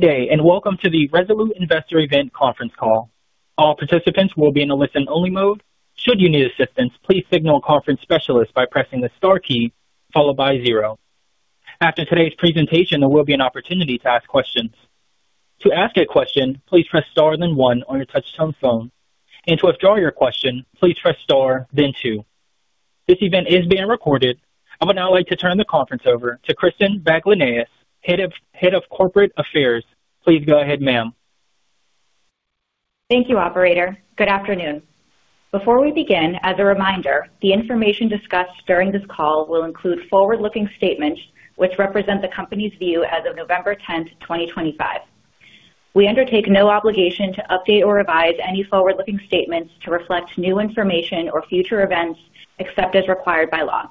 Good day and welcome to the Rezolute Investor Event conference call. All participants will be in a listen-only mode. Should you need assistance, please signal a conference specialist by pressing the star key followed by zero. After today's presentation, there will be an opportunity to ask questions. To ask a question, please press star then one on your touch-tone phone. To withdraw your question, please press star then two. This event is being recorded. I would now like to turn the conference over to Christen Baglaneas, Head of Corporate Affairs. Please go ahead, ma'am. Thank you, Operator. Good afternoon. Before we begin, as a reminder, the information discussed during this call will include forward-looking statements which represent the company's view as of November 10th, 2025. We undertake no obligation to update or revise any forward-looking statements to reflect new information or future events except as required by law.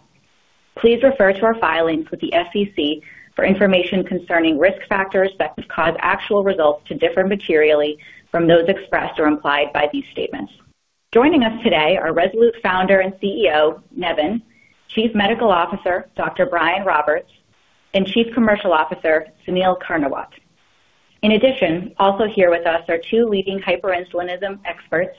Please refer to our filings with the SEC for information concerning risk factors that could cause actual results to differ materially from those expressed or implied by these statements. Joining us today are Rezolute founder and CEO Nevan Elam, Chief Medical Officer Dr. Brian Roberts, and Chief Commercial Officer Sunil Karnawat. In addition, also here with us are two leading hyperinsulinism experts,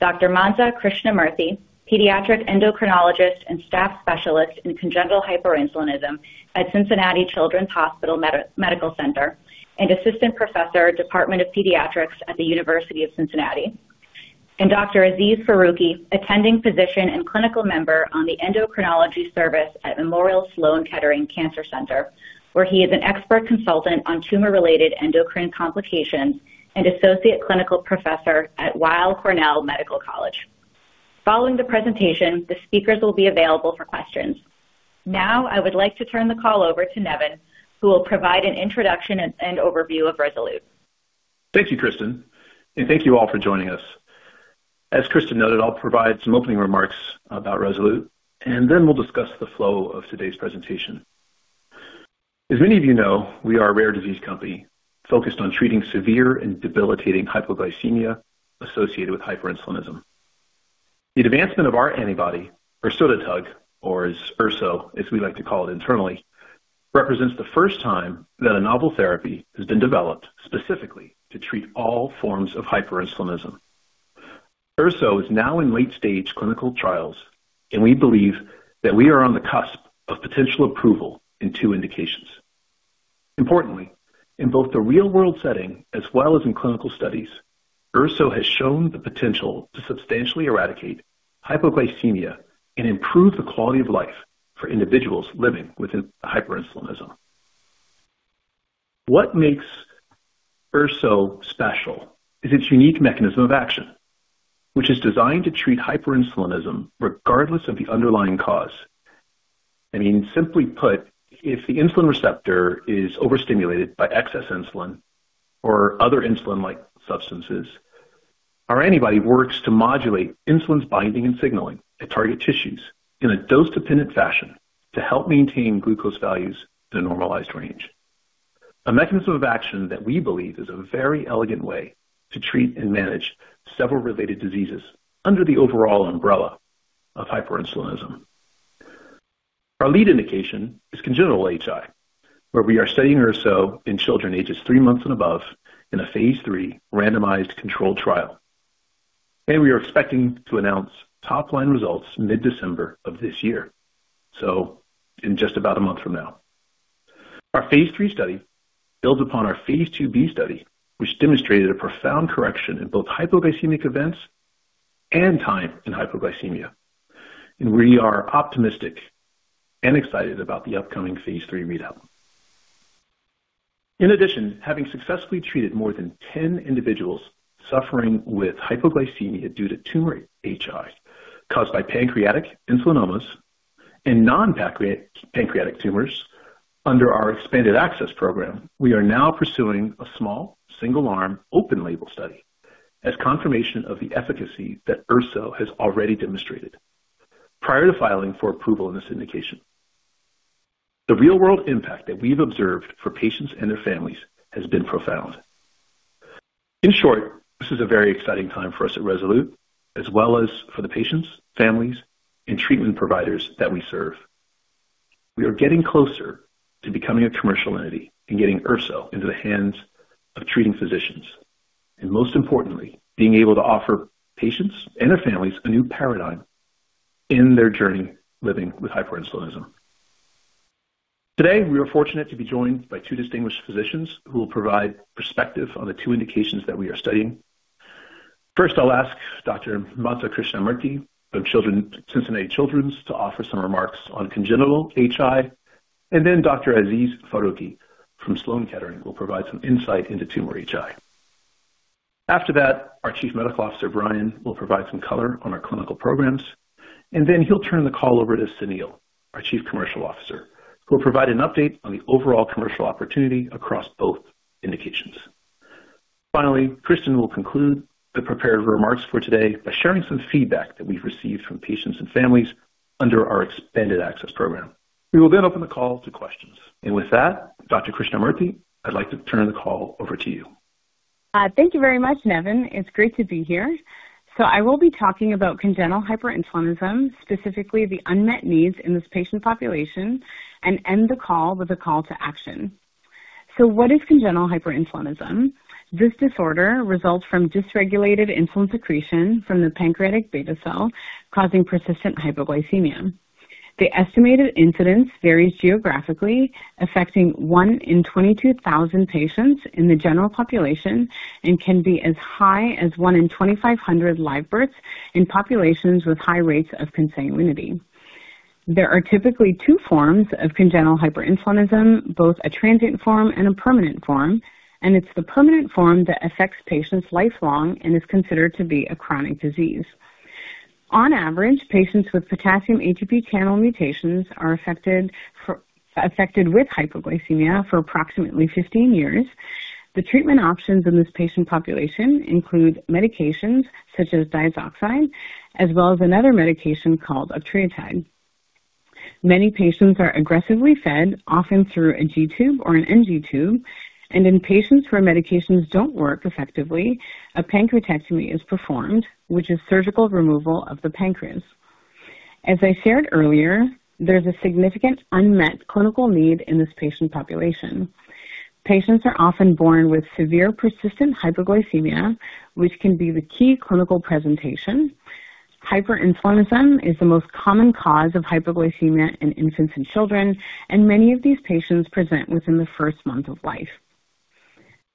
Dr. Mansa Krishnamurthy, Pediatric Endocrinologist and Staff Specialist in Congenital Hyperinsulinism at Cincinnati Children's Hospital Medical Center, and Assistant Professor, Department of Pediatrics at the University of Cincinnati. Dr. Azeez Farooki, Attending Physician and Clinical Member on the Endocrinology Service at Memorial Sloan Kettering Cancer Center, where he is an Expert Consultant on tumor-related endocrine complications and Associate Clinical Professor at Weill Cornell Medical College. Following the presentation, the speakers will be available for questions. Now, I would like to turn the call over to Nevan, who will provide an introduction and overview of Rezolute. Thank you, Christen, and thank you all for joining us. As Christen noted, I'll provide some opening remarks about Rezolute, and then we'll discuss the flow of today's presentation. As many of you know, we are a rare disease company focused on treating severe and debilitating hypoglycemia associated with hyperinsulinism. The advancement of our antibody, ersodetug, or as erso, as we like to call it internally, represents the first time that a novel therapy has been developed specifically to treat all forms of hyperinsulinism. Erso is now in late-stage clinical trials, and we believe that we are on the cusp of potential approval in two indications. Importantly, in both the real-world setting as well as in clinical studies, erso has shown the potential to substantially eradicate hypoglycemia and improve the quality of life for individuals living with hyperinsulinism. What makes erso special is its unique mechanism of action, which is designed to treat hyperinsulinism regardless of the underlying cause. I mean, simply put, if the insulin receptor is overstimulated by excess insulin or other insulin-like substances, our antibody works to modulate insulin's binding and signaling at target tissues in a dose-dependent fashion to help maintain glucose values in a normalized range. A mechanism of action that we believe is a very elegant way to treat and manage several related diseases under the overall umbrella of hyperinsulinism. Our lead indication is congenital hyperinsulinism, where we are studying erso in children ages three months and above in a phase III randomized controlled trial. We are expecting to announce top-line results mid-December of this year, in just about a month from now. Our phase III study builds upon our phase II-B study, which demonstrated a profound correction in both hypoglycemic events and time in hypoglycemia. We are optimistic and excited about the upcoming phase III readout. In addition, having successfully treated more than 10 individuals suffering with hypoglycemia due to tumor hyperinsulinism caused by pancreatic insulinomas and non-pancreatic tumors under our expanded access program, we are now pursuing a small single-arm open-label study as confirmation of the efficacy that erso has already demonstrated prior to filing for approval in this indication. The real-world impact that we've observed for patients and their families has been profound. In short, this is a very exciting time for us at Rezolute, as well as for the patients, families, and treatment providers that we serve. We are getting closer to becoming a commercial entity and getting erso into the hands of treating physicians. Most importantly, being able to offer patients and their families a new paradigm in their journey living with hyperinsulinism. Today, we are fortunate to be joined by two distinguished physicians who will provide perspective on the two indications that we are studying. First, I'll ask Dr. Mansa Krishnamurthy from Cincinnati Children's to offer some remarks on congenital HI. Then Dr. Azeez Farooki from Sloan Kettering will provide some insight into tumor HI. After that, our Chief Medical Officer Brian will provide some color on our clinical programs. Then he'll turn the call over to Sunil, our Chief Commercial Officer, who will provide an update on the overall commercial opportunity across both indications. Finally, Christen will conclude the prepared remarks for today by sharing some feedback that we've received from patients and families under our expanded access program. We will then open the call to questions. With that, Dr. Krishnamurthy, I'd like to turn the call over to you. Thank you very much, Nevan. It's great to be here. I will be talking about congenital hyperinsulinism, specifically the unmet needs in this patient population, and end the call with a call to action. What is congenital hyperinsulinism? This disorder results from dysregulated insulin secretion from the pancreatic beta cell, causing persistent hypoglycemia. The estimated incidence varies geographically, affecting 1 in 22,000 patients in the general population and can be as high as 1 in 2,500 live births in populations with high rates of consanguinity. There are typically two forms of congenital hyperinsulinism, both a transient form and a permanent form. It is the permanent form that affects patients lifelong and is considered to be a chronic disease. On average, patients with potassium ATP channel mutations are affected with hypoglycemia for approximately 15 years. The treatment options in this patient population include medications such as diazoxide, as well as another medication called octreotide. Many patients are aggressively fed, often through a G-tube or an NG tube. In patients where medications do not work effectively, a pancreatectomy is performed, which is surgical removal of the pancreas. As I shared earlier, there is a significant unmet clinical need in this patient population. Patients are often born with severe persistent hypoglycemia, which can be the key clinical presentation. Hyperinsulinism is the most common cause of hypoglycemia in infants and children, and many of these patients present within the first month of life.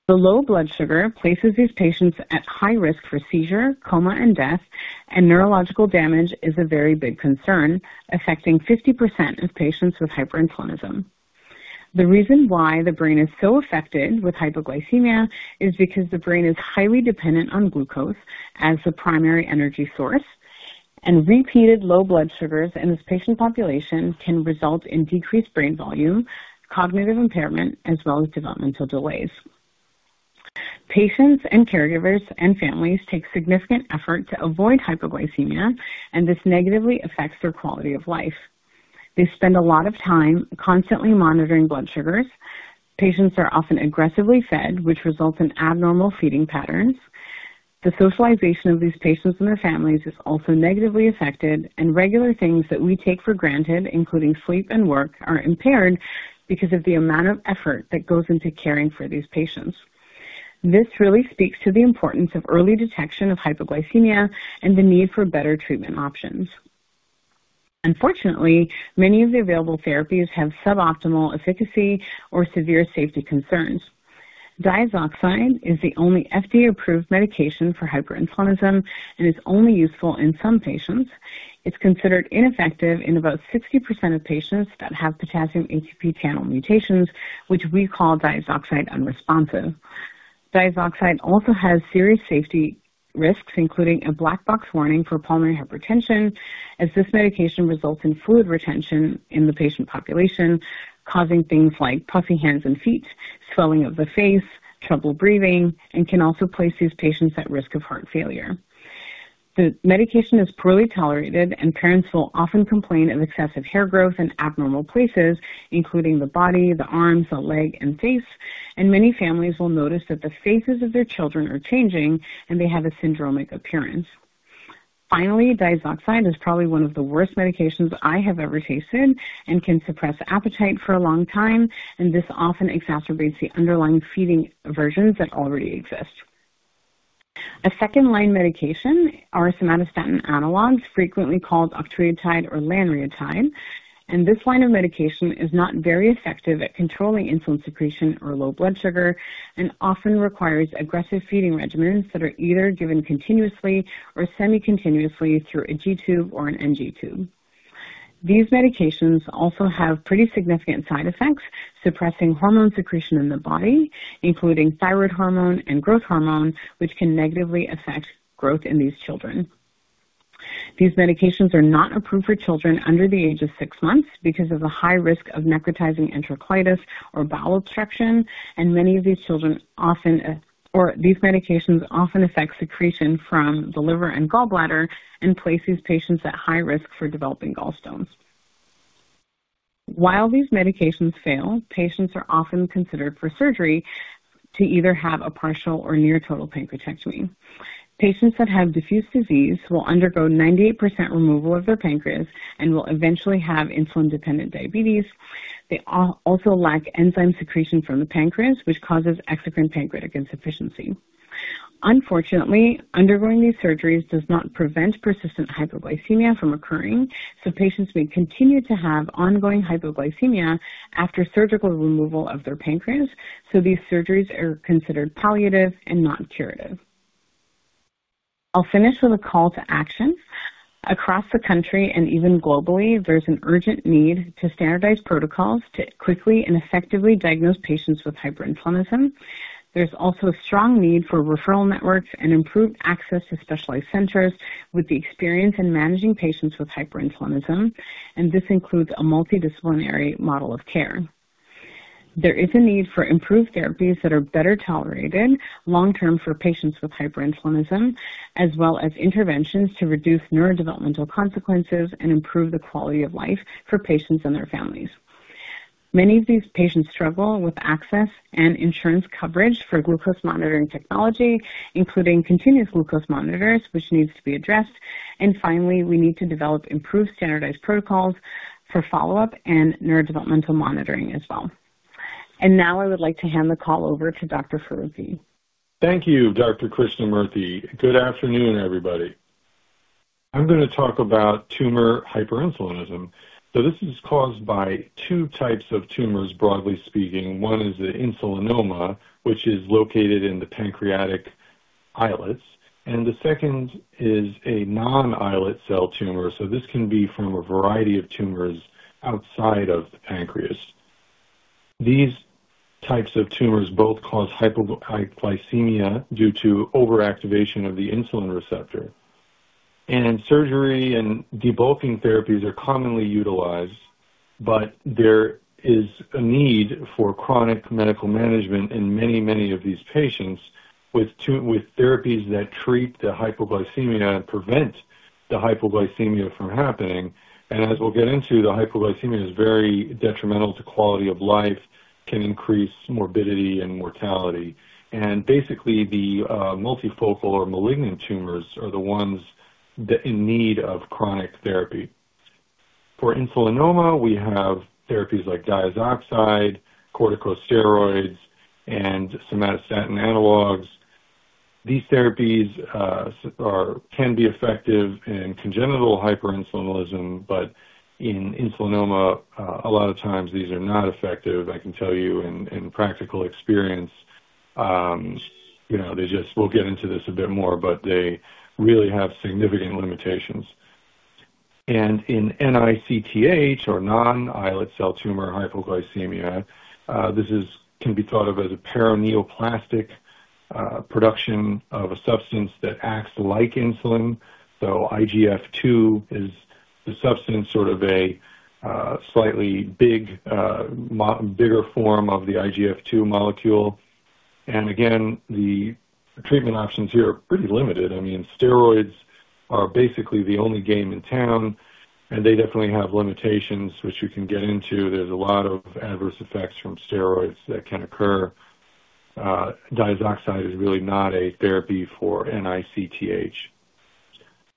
The low blood sugar places these patients at high risk for seizure, coma, and death, and neurological damage is a very big concern affecting 50% of patients with hyperinsulinism. The reason why the brain is so affected with hypoglycemia is because the brain is highly dependent on glucose as the primary energy source, and repeated low blood sugars in this patient population can result in decreased brain volume, cognitive impairment, as well as developmental delays. Patients and caregivers and families take significant effort to avoid hypoglycemia, and this negatively affects their quality of life. They spend a lot of time constantly monitoring blood sugars. Patients are often aggressively fed, which results in abnormal feeding patterns. The socialization of these patients and their families is also negatively affected, and regular things that we take for granted, including sleep and work, are impaired because of the amount of effort that goes into caring for these patients. This really speaks to the importance of early detection of hypoglycemia and the need for better treatment options. Unfortunately, many of the available therapies have suboptimal efficacy or severe safety concerns. Diazoxide is the only FDA-approved medication for hyperinsulinism and is only useful in some patients. It's considered ineffective in about 60% of patients that have potassium ATP channel mutations, which we call diazoxide unresponsive. Diazoxide also has serious safety risks, including a black box warning for pulmonary hypertension, as this medication results in fluid retention in the patient population, causing things like puffy hands and feet, swelling of the face, trouble breathing, and can also place these patients at risk of heart failure. The medication is poorly tolerated, and parents will often complain of excessive hair growth in abnormal places, including the body, the arms, the leg, and face. Many families will notice that the faces of their children are changing, and they have a syndromic appearance. Finally, diazoxide is probably one of the worst medications I have ever tasted and can suppress appetite for a long time, and this often exacerbates the underlying feeding aversions that already exist. A second-line medication are somatostatin analogs, frequently called octreotide or lanreotide. This line of medication is not very effective at controlling insulin secretion or low blood sugar and often requires aggressive feeding regimens that are either given continuously or semi-continuously through a G-tube or an NG tube. These medications also have pretty significant side effects, suppressing hormone secretion in the body, including thyroid hormone and growth hormone, which can negatively affect growth in these children. These medications are not approved for children under the age of six months because of the high risk of necrotizing enterocolitis or bowel obstruction. Many of these children often, or these medications often, affect secretion from the liver and gallbladder and place these patients at high risk for developing gallstones. While these medications fail, patients are often considered for surgery to either have a partial or near total pancreatectomy. Patients that have diffuse disease will undergo 98% removal of their pancreas and will eventually have insulin-dependent diabetes. They also lack enzyme secretion from the pancreas, which causes exocrine pancreatic insufficiency. Unfortunately, undergoing these surgeries does not prevent persistent hypoglycemia from occurring, so patients may continue to have ongoing hypoglycemia after surgical removal of their pancreas. These surgeries are considered palliative and not curative. I'll finish with a call to action. Across the country and even globally, there's an urgent need to standardize protocols to quickly and effectively diagnose patients with hyperinsulinism. There is also a strong need for referral networks and improved access to specialized centers with the experience in managing patients with hyperinsulinism. This includes a multidisciplinary model of care. There is a need for improved therapies that are better tolerated long-term for patients with hyperinsulinism, as well as interventions to reduce neurodevelopmental consequences and improve the quality of life for patients and their families. Many of these patients struggle with access and insurance coverage for glucose monitoring technology, including continuous glucose monitors, which needs to be addressed. Finally, we need to develop improved standardized protocols for follow-up and neurodevelopmental monitoring as well. I would like to hand the call over to Dr. Farooki. Thank you, Dr. Krishnamurthy. Good afternoon, everybody. I'm going to talk about tumor hyperinsulinism. This is caused by two types of tumors, broadly speaking. One is the insulinoma, which is located in the pancreatic islets. The second is a non-islet cell tumor. This can be from a variety of tumors outside of the pancreas. These types of tumors both cause hypoglycemia due to overactivation of the insulin receptor. Surgery and debulking therapies are commonly utilized, but there is a need for chronic medical management in many, many of these patients with therapies that treat the hypoglycemia and prevent the hypoglycemia from happening. As we'll get into, the hypoglycemia is very detrimental to quality of life, can increase morbidity and mortality. Basically, the multifocal or malignant tumors are the ones in need of chronic therapy. For insulinoma, we have therapies like diazoxide, corticosteroids, and somatostatin analogs. These therapies can be effective in congenital hyperinsulinism, but in insulinoma, a lot of times these are not effective. I can tell you in practical experience, they just, we'll get into this a bit more, but they really have significant limitations. In NICTH or non-islet cell tumor hypoglycemia, this can be thought of as a paraneoplastic production of a substance that acts like insulin. IGF-2 is the substance, sort of a slightly bigger form of the IGF-2 molecule. Again, the treatment options here are pretty limited. I mean, steroids are basically the only game in town, and they definitely have limitations, which we can get into. There are a lot of adverse effects from steroids that can occur. Diazoxide is really not a therapy for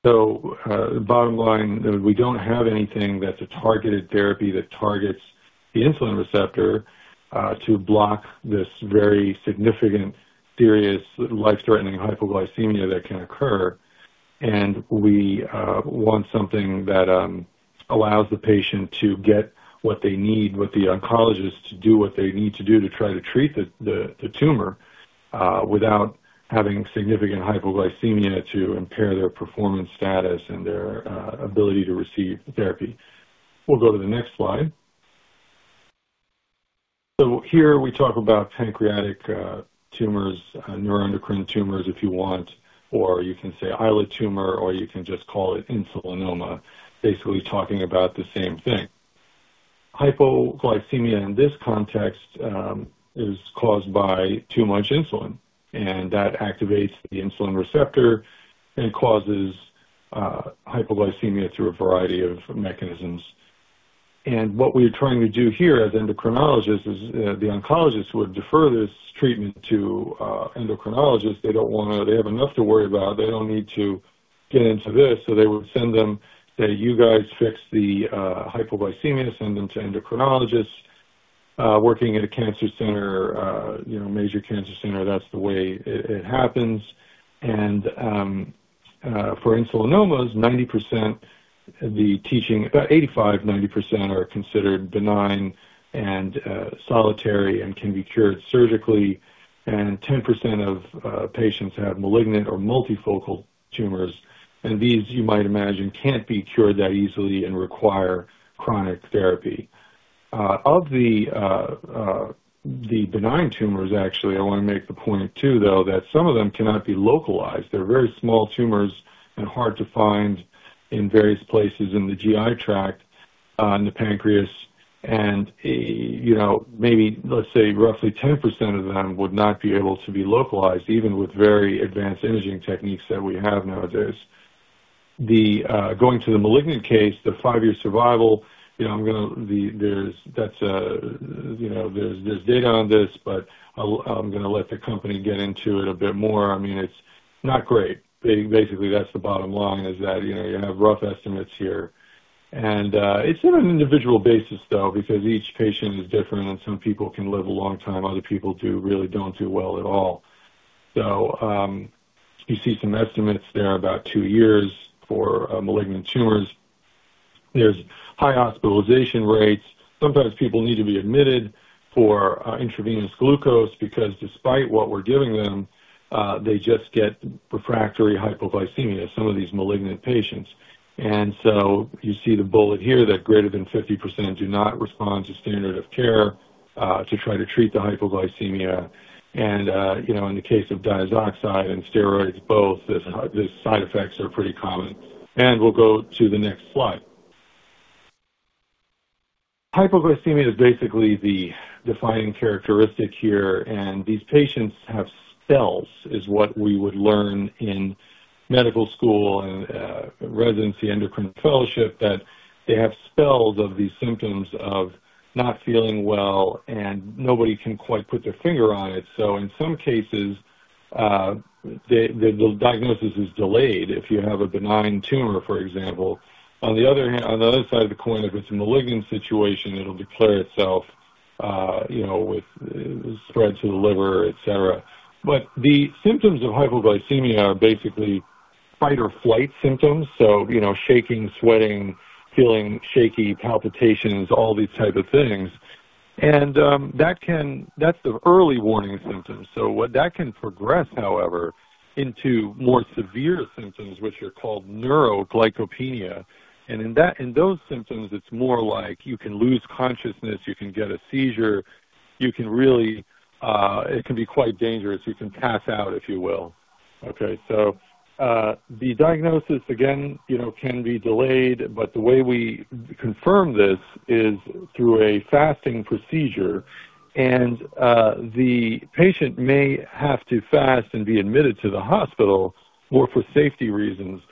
NICTH. The bottom line is we don't have anything that's a targeted therapy that targets the insulin receptor to block this very significant, serious, life-threatening hypoglycemia that can occur. We want something that allows the patient to get what they need, with the oncologist to do what they need to do to try to treat the tumor without having significant hypoglycemia to impair their performance status and their ability to receive therapy. We'll go to the next slide. Here we talk about pancreatic tumors, neuroendocrine tumors, if you want, or you can say islet tumor, or you can just call it insulinoma, basically talking about the same thing. Hypoglycemia in this context is caused by too much insulin, and that activates the insulin receptor and causes hypoglycemia through a variety of mechanisms. What we're trying to do here as endocrinologists is the oncologist would defer this treatment to endocrinologists. They do not want to; they have enough to worry about. They do not need to get into this. They would send them, say, "You guys fix the hypoglycemia, send them to endocrinologists." Working at a cancer center, major cancer center, that's the way it happens. For insulinomas, 90% of the teaching, about 85%-90%, are considered benign and solitary and can be cured surgically. 10% of patients have malignant or multifocal tumors. These, you might imagine, cannot be cured that easily and require chronic therapy. Of the benign tumors, actually, I want to make the point too, though, that some of them cannot be localized. They are very small tumors and hard to find in various places in the GI tract, in the pancreas. Maybe, let's say, roughly 10% of them would not be able to be localized, even with very advanced imaging techniques that we have nowadays. Going to the malignant case, the five-year survival, I'm going to, there's data on this, but I'm going to let the company get into it a bit more. I mean, it's not great. Basically, that's the bottom line, is that you have rough estimates here. And it's on an individual basis, though, because each patient is different, and some people can live a long time, other people really don't do well at all. You see some estimates there about two years for malignant tumors. There are high hospitalization rates. Sometimes people need to be admitted for intravenous glucose because despite what we're giving them, they just get refractory hypoglycemia, some of these malignant patients. You see the bullet here that greater than 50% do not respond to standard of care to try to treat the hypoglycemia. In the case of diazoxide and steroids, both, the side effects are pretty common. We'll go to the next slide. Hypoglycemia is basically the defining characteristic here. These patients have spells, is what we would learn in medical school and residency endocrine fellowship, that they have spells of these symptoms of not feeling well, and nobody can quite put their finger on it. In some cases, the diagnosis is delayed if you have a benign tumor, for example. On the other side of the coin, if it's a malignant situation, it'll declare itself with spread to the liver, etc. The symptoms of hypoglycemia are basically fight or flight symptoms. Shaking, sweating, feeling shaky, palpitations, all these types of things. That's the early warning symptoms. What that can progress, however, into are more severe symptoms, which are called neuroglycopenia. In those symptoms, it's more like you can lose consciousness, you can get a seizure, you can really—it can be quite dangerous. You can pass out, if you will. The diagnosis, again, can be delayed, but the way we confirm this is through a fasting procedure. The patient may have to fast and be admitted to the hospital more for safety reasons.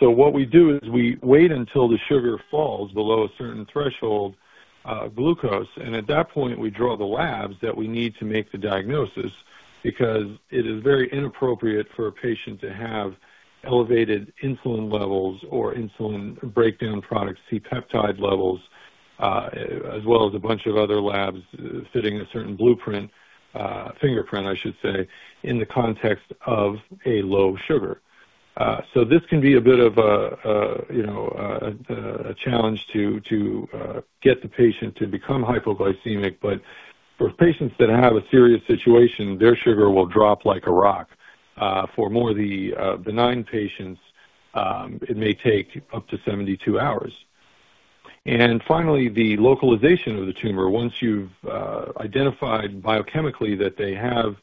What we do is we wait until the sugar falls below a certain threshold, glucose. At that point, we draw the labs that we need to make the diagnosis because it is very inappropriate for a patient to have elevated insulin levels or insulin breakdown products, C-peptide levels, as well as a bunch of other labs fitting a certain blueprint, fingerprint, I should say, in the context of a low sugar. This can be a bit of a challenge to get the patient to become hypoglycemic. For patients that have a serious situation, their sugar will drop like a rock. For more of the benign patients, it may take up to 72 hours. Finally, the localization of the tumor, once you've identified biochemically that they have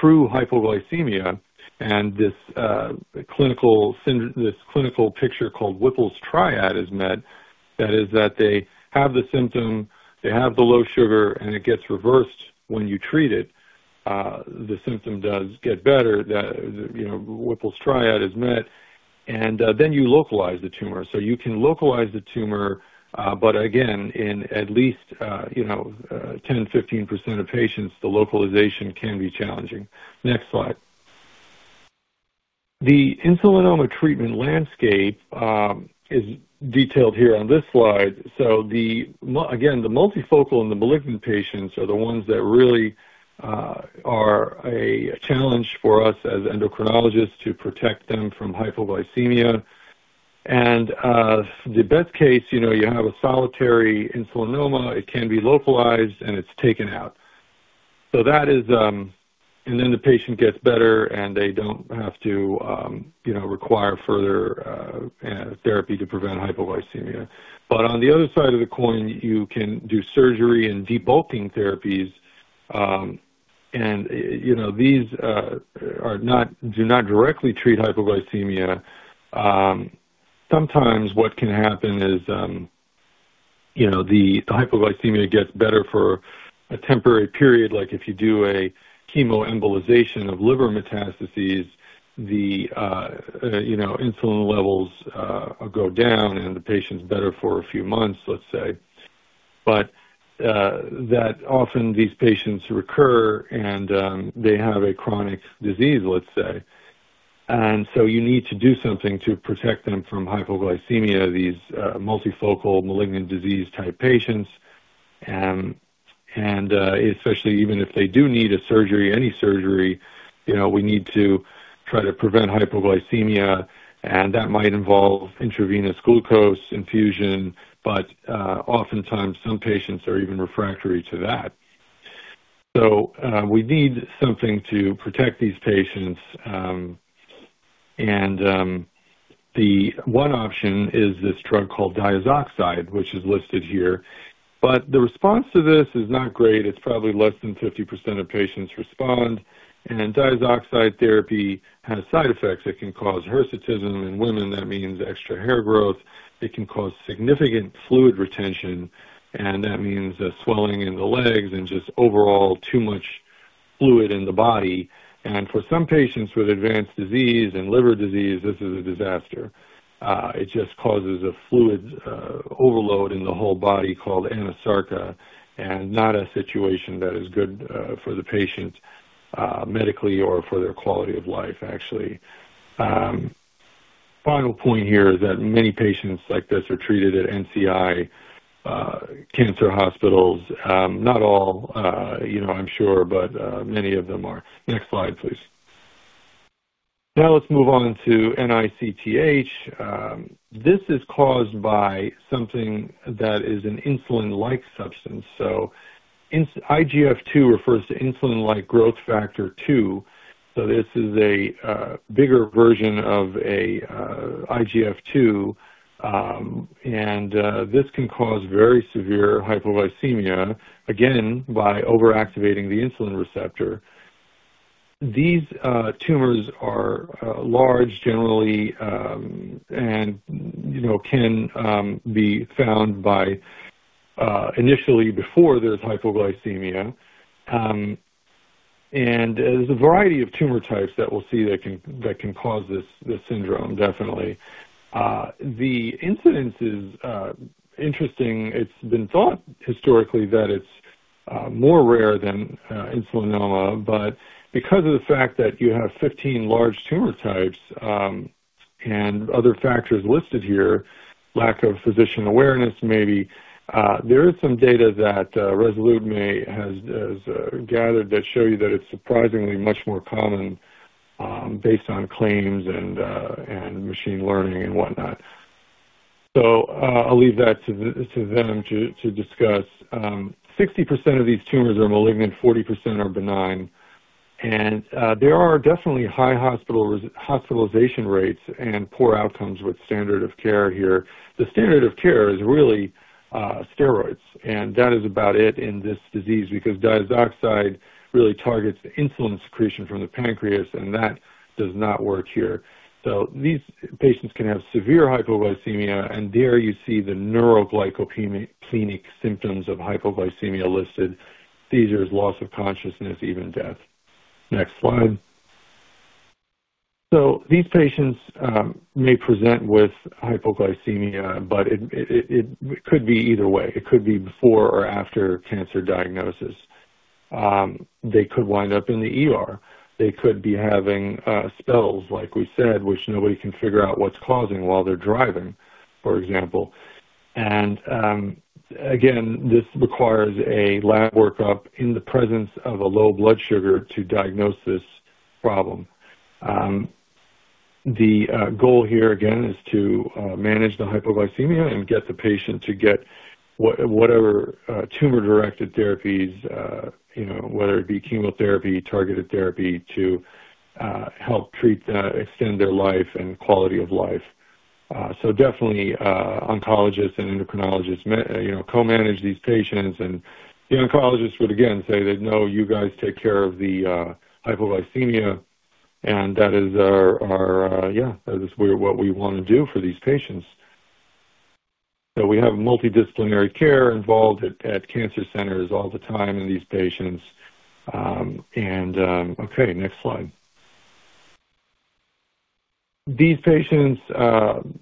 true hypoglycemia and this clinical picture called Whipple's triad is met, that is, that they have the symptom, they have the low sugar, and it gets reversed when you treat it, the symptom does get better, Whipple's triad is met. You localize the tumor. You can localize the tumor, but again, in at least 10%-15% of patients, the localization can be challenging. Next slide. The insulinoma treatment landscape is detailed here on this slide. Again, the multifocal and the malignant patients are the ones that really are a challenge for us as endocrinologists to protect them from hypoglycemia. In the best case, you have a solitary insulinoma, it can be localized, and it's taken out. That is, and then the patient gets better, and they do not have to require further therapy to prevent hypoglycemia. On the other side of the coin, you can do surgery and debulking therapies. These do not directly treat hypoglycemia. Sometimes what can happen is the hypoglycemia gets better for a temporary period, like if you do a chemoembolization of liver metastases, the insulin levels go down, and the patient is better for a few months, let's say. Often these patients recur, and they have a chronic disease, let's say. You need to do something to protect them from hypoglycemia, these multifocal malignant disease-type patients. Especially even if they do need a surgery, any surgery, we need to try to prevent hypoglycemia. That might involve intravenous glucose infusion, but oftentimes some patients are even refractory to that. We need something to protect these patients. The one option is this drug called diazoxide, which is listed here. The response to this is not great. It's probably less than 50% of patients respond. Diazoxide therapy has side effects. It can cause hirsutism in women. That means extra hair growth. It can cause significant fluid retention. That means swelling in the legs and just overall too much fluid in the body. For some patients with advanced disease and liver disease, this is a disaster. It just causes a fluid overload in the whole body called anasarca, and not a situation that is good for the patient medically or for their quality of life, actually. Final point here is that many patients like this are treated at NCI cancer hospitals. Not all, I'm sure, but many of them are. Next slide, please. Now let's move on to NICTH. This is caused by something that is an insulin-like substance. IGF-2 refers to insulin-like growth factor 2. This is a bigger version of an IGF-2, and this can cause very severe hypoglycemia, again, by overactivating the insulin receptor. These tumors are large, generally, and can be found initially before there's hypoglycemia. There is a variety of tumor types that we'll see that can cause this syndrome, definitely. The incidence is interesting. It's been thought historically that it's more rare than insulinoma, but because of the fact that you have 15 large tumor types and other factors listed here, lack of physician awareness maybe, there is some data that Rezolute has gathered that show you that it's surprisingly much more common based on claims and machine learning and whatnot. I'll leave that to them to discuss. 60% of these tumors are malignant, 40% are benign. There are definitely high hospitalization rates and poor outcomes with standard of care here. The standard of care is really steroids. That is about it in this disease because diazoxide really targets the insulin secretion from the pancreas, and that does not work here. These patients can have severe hypoglycemia, and there you see the neuroglycopenic symptoms of hypoglycemia listed. Seizures, loss of consciousness, even death. Next slide. These patients may present with hypoglycemia, but it could be either way. It could be before or after cancer diagnosis. They could wind up in the hospital. They could be having spells, like we said, which nobody can figure out what's causing while they're driving, for example. Again, this requires a lab workup in the presence of a low blood sugar to diagnose this problem. The goal here, again, is to manage the hypoglycemia and get the patient to get whatever tumor-directed therapies, whether it be chemotherapy, targeted therapy, to help extend their life and quality of life. Definitely, oncologists and endocrinologists co-manage these patients. The oncologist would, again, say that, "No, you guys take care of the hypoglycemia." That is our, yeah, that is what we want to do for these patients. We have multidisciplinary care involved at cancer centers all the time in these patients. Okay, next slide. These patients,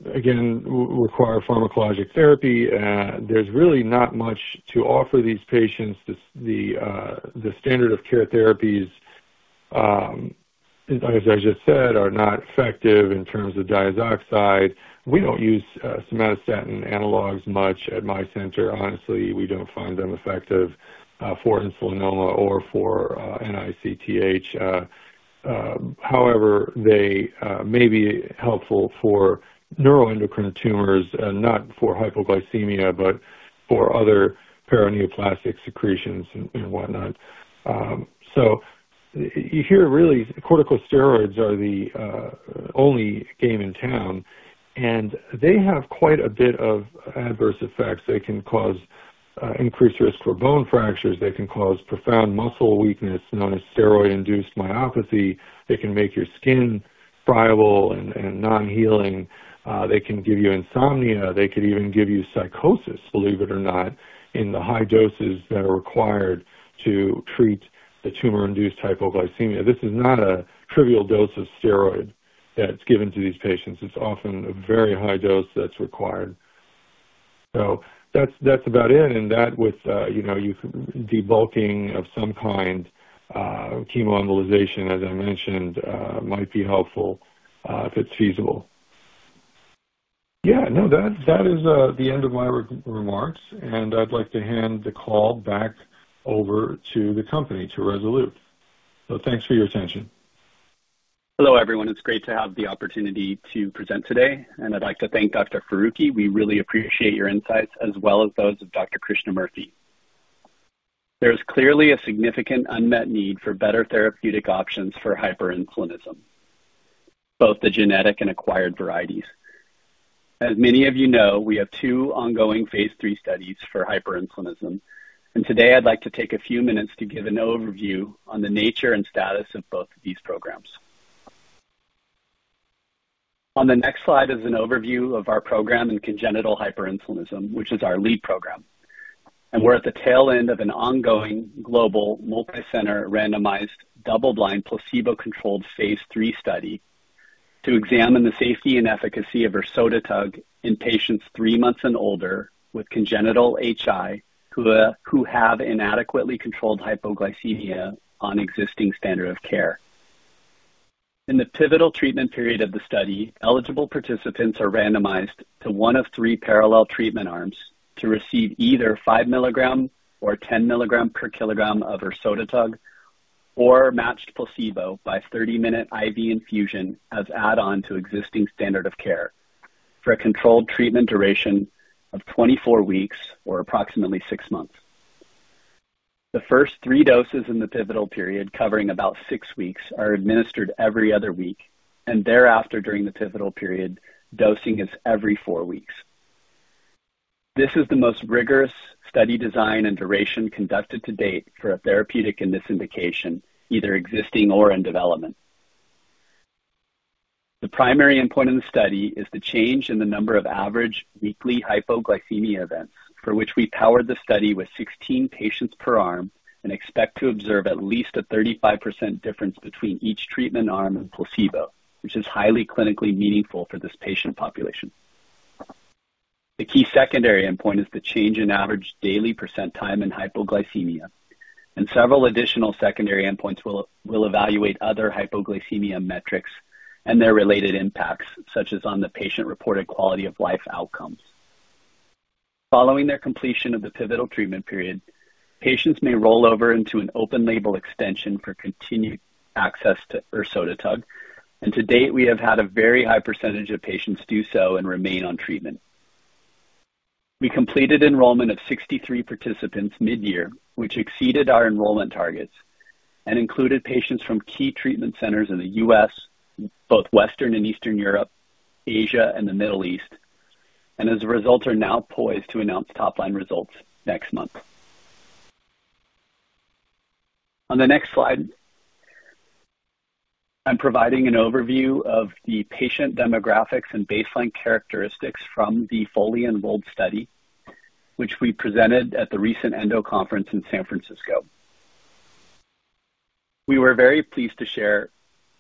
again, require pharmacologic therapy. There's really not much to offer these patients. The standard of care therapies, as I just said, are not effective in terms of diazoxide. We don't use somatostatin analogs much at my center. Honestly, we don't find them effective for insulinoma or for NICTH. However, they may be helpful for neuroendocrine tumors, not for hypoglycemia, but for other paraneoplastic secretions and whatnot. Here, really, corticosteroids are the only game in town. They have quite a bit of adverse effects. They can cause increased risk for bone fractures. They can cause profound muscle weakness, known as steroid-induced myopathy. They can make your skin friable and non-healing. They can give you insomnia. They could even give you psychosis, believe it or not, in the high doses that are required to treat the tumor-induced hypoglycemia. This is not a trivial dose of steroid that's given to these patients. It's often a very high dose that's required. That's about it. That with debulking of some kind, chemoembolization, as I mentioned, might be helpful if it's feasible. Yeah. No, that is the end of my remarks. I'd like to hand the call back over to the company, to Rezolute. Thanks for your attention. Hello, everyone. It's great to have the opportunity to present today. I'd like to thank Dr. Farooki. We really appreciate your insights, as well as those of Dr. Krishnamurthy. There is clearly a significant unmet need for better therapeutic options for hyperinsulinism, both the genetic and acquired varieties. As many of you know, we have two ongoing phase III studies for hyperinsulinism. Today, I'd like to take a few minutes to give an overview on the nature and status of both of these programs. On the next slide is an overview of our program in congenital hyperinsulinism, which is our lead program. We're at the tail end of an ongoing global multicenter randomized double-blind placebo-controlled phase III study to examine the safety and efficacy of ersodetug in patients three months and older with congenital HI who have inadequately controlled hypoglycemia on existing standard of care. In the pivotal treatment period of the study, eligible participants are randomized to one of three parallel treatment arms to receive either 5 mg or 10 mg per kg of ersodetug or matched placebo by 30-minute IV infusion as add-on to existing standard of care for a controlled treatment duration of 24 weeks or approximately six months. The first three doses in the pivotal period, covering about six weeks, are administered every other week. Thereafter, during the pivotal period, dosing is every four weeks. This is the most rigorous study design and duration conducted to date for a therapeutic in this indication, either existing or in development. The primary endpoint in the study is the change in the number of average weekly hypoglycemia events, for which we powered the study with 16 patients per arm and expect to observe at least a 35% difference between each treatment arm and placebo, which is highly clinically meaningful for this patient population. The key secondary endpoint is the change in average daily percent time in hypoglycemia. Several additional secondary endpoints will evaluate other hypoglycemia metrics and their related impacts, such as on the patient-reported quality of life outcomes. Following their completion of the pivotal treatment period, patients may roll over into an open-label extension for continued access to ersodetug. To date, we have had a very high percentage of patients do so and remain on treatment. We completed enrollment of 63 participants mid-year, which exceeded our enrollment targets and included patients from key treatment centers in the U.S., both Western and Eastern Europe, Asia, and the Middle East. As a result, we are now poised to announce top-line results next month. On the next slide, I'm providing an overview of the patient demographics and baseline characteristics from the fully enrolled study, which we presented at the recent ENDO Conference in San Francisco. We were very pleased to share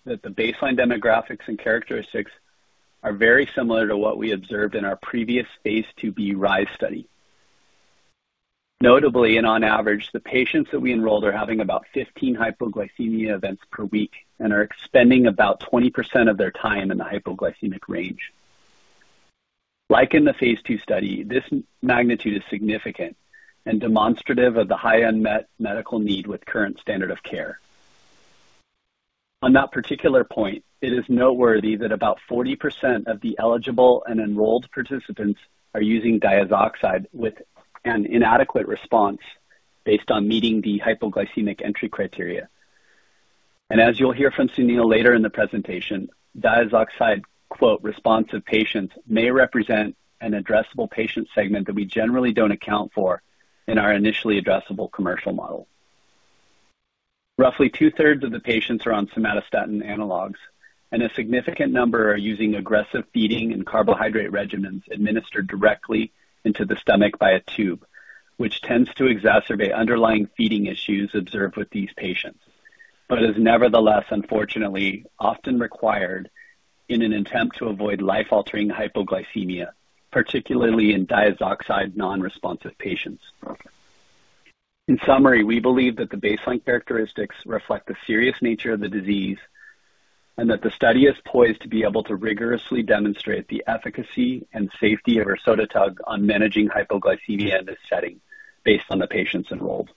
that the baseline demographics and characteristics are very similar to what we observed in our previous phase II-B RIZE study. Notably, and on average, the patients that we enrolled are having about 15 hypoglycemia events per week and are expending about 20% of their time in the hypoglycemic range. Like in the phase II study, this magnitude is significant and demonstrative of the high unmet medical need with current standard of care. On that particular point, it is noteworthy that about 40% of the eligible and enrolled participants are using diazoxide with an inadequate response based on meeting the hypoglycemic entry criteria. As you'll hear from Sunil later in the presentation, diazoxide "response of patients" may represent an addressable patient segment that we generally don't account for in our initially addressable commercial model. Roughly 2/3 of the patients are on somatostatin analogs, and a significant number are using aggressive feeding and carbohydrate regimens administered directly into the stomach by a tube, which tends to exacerbate underlying feeding issues observed with these patients, but is nevertheless, unfortunately, often required in an attempt to avoid life-altering hypoglycemia, particularly in diazoxide non-responsive patients. In summary, we believe that the baseline characteristics reflect the serious nature of the disease and that the study is poised to be able to rigorously demonstrate the efficacy and safety of ersodetug on managing hypoglycemia in this setting based on the patients enrolled.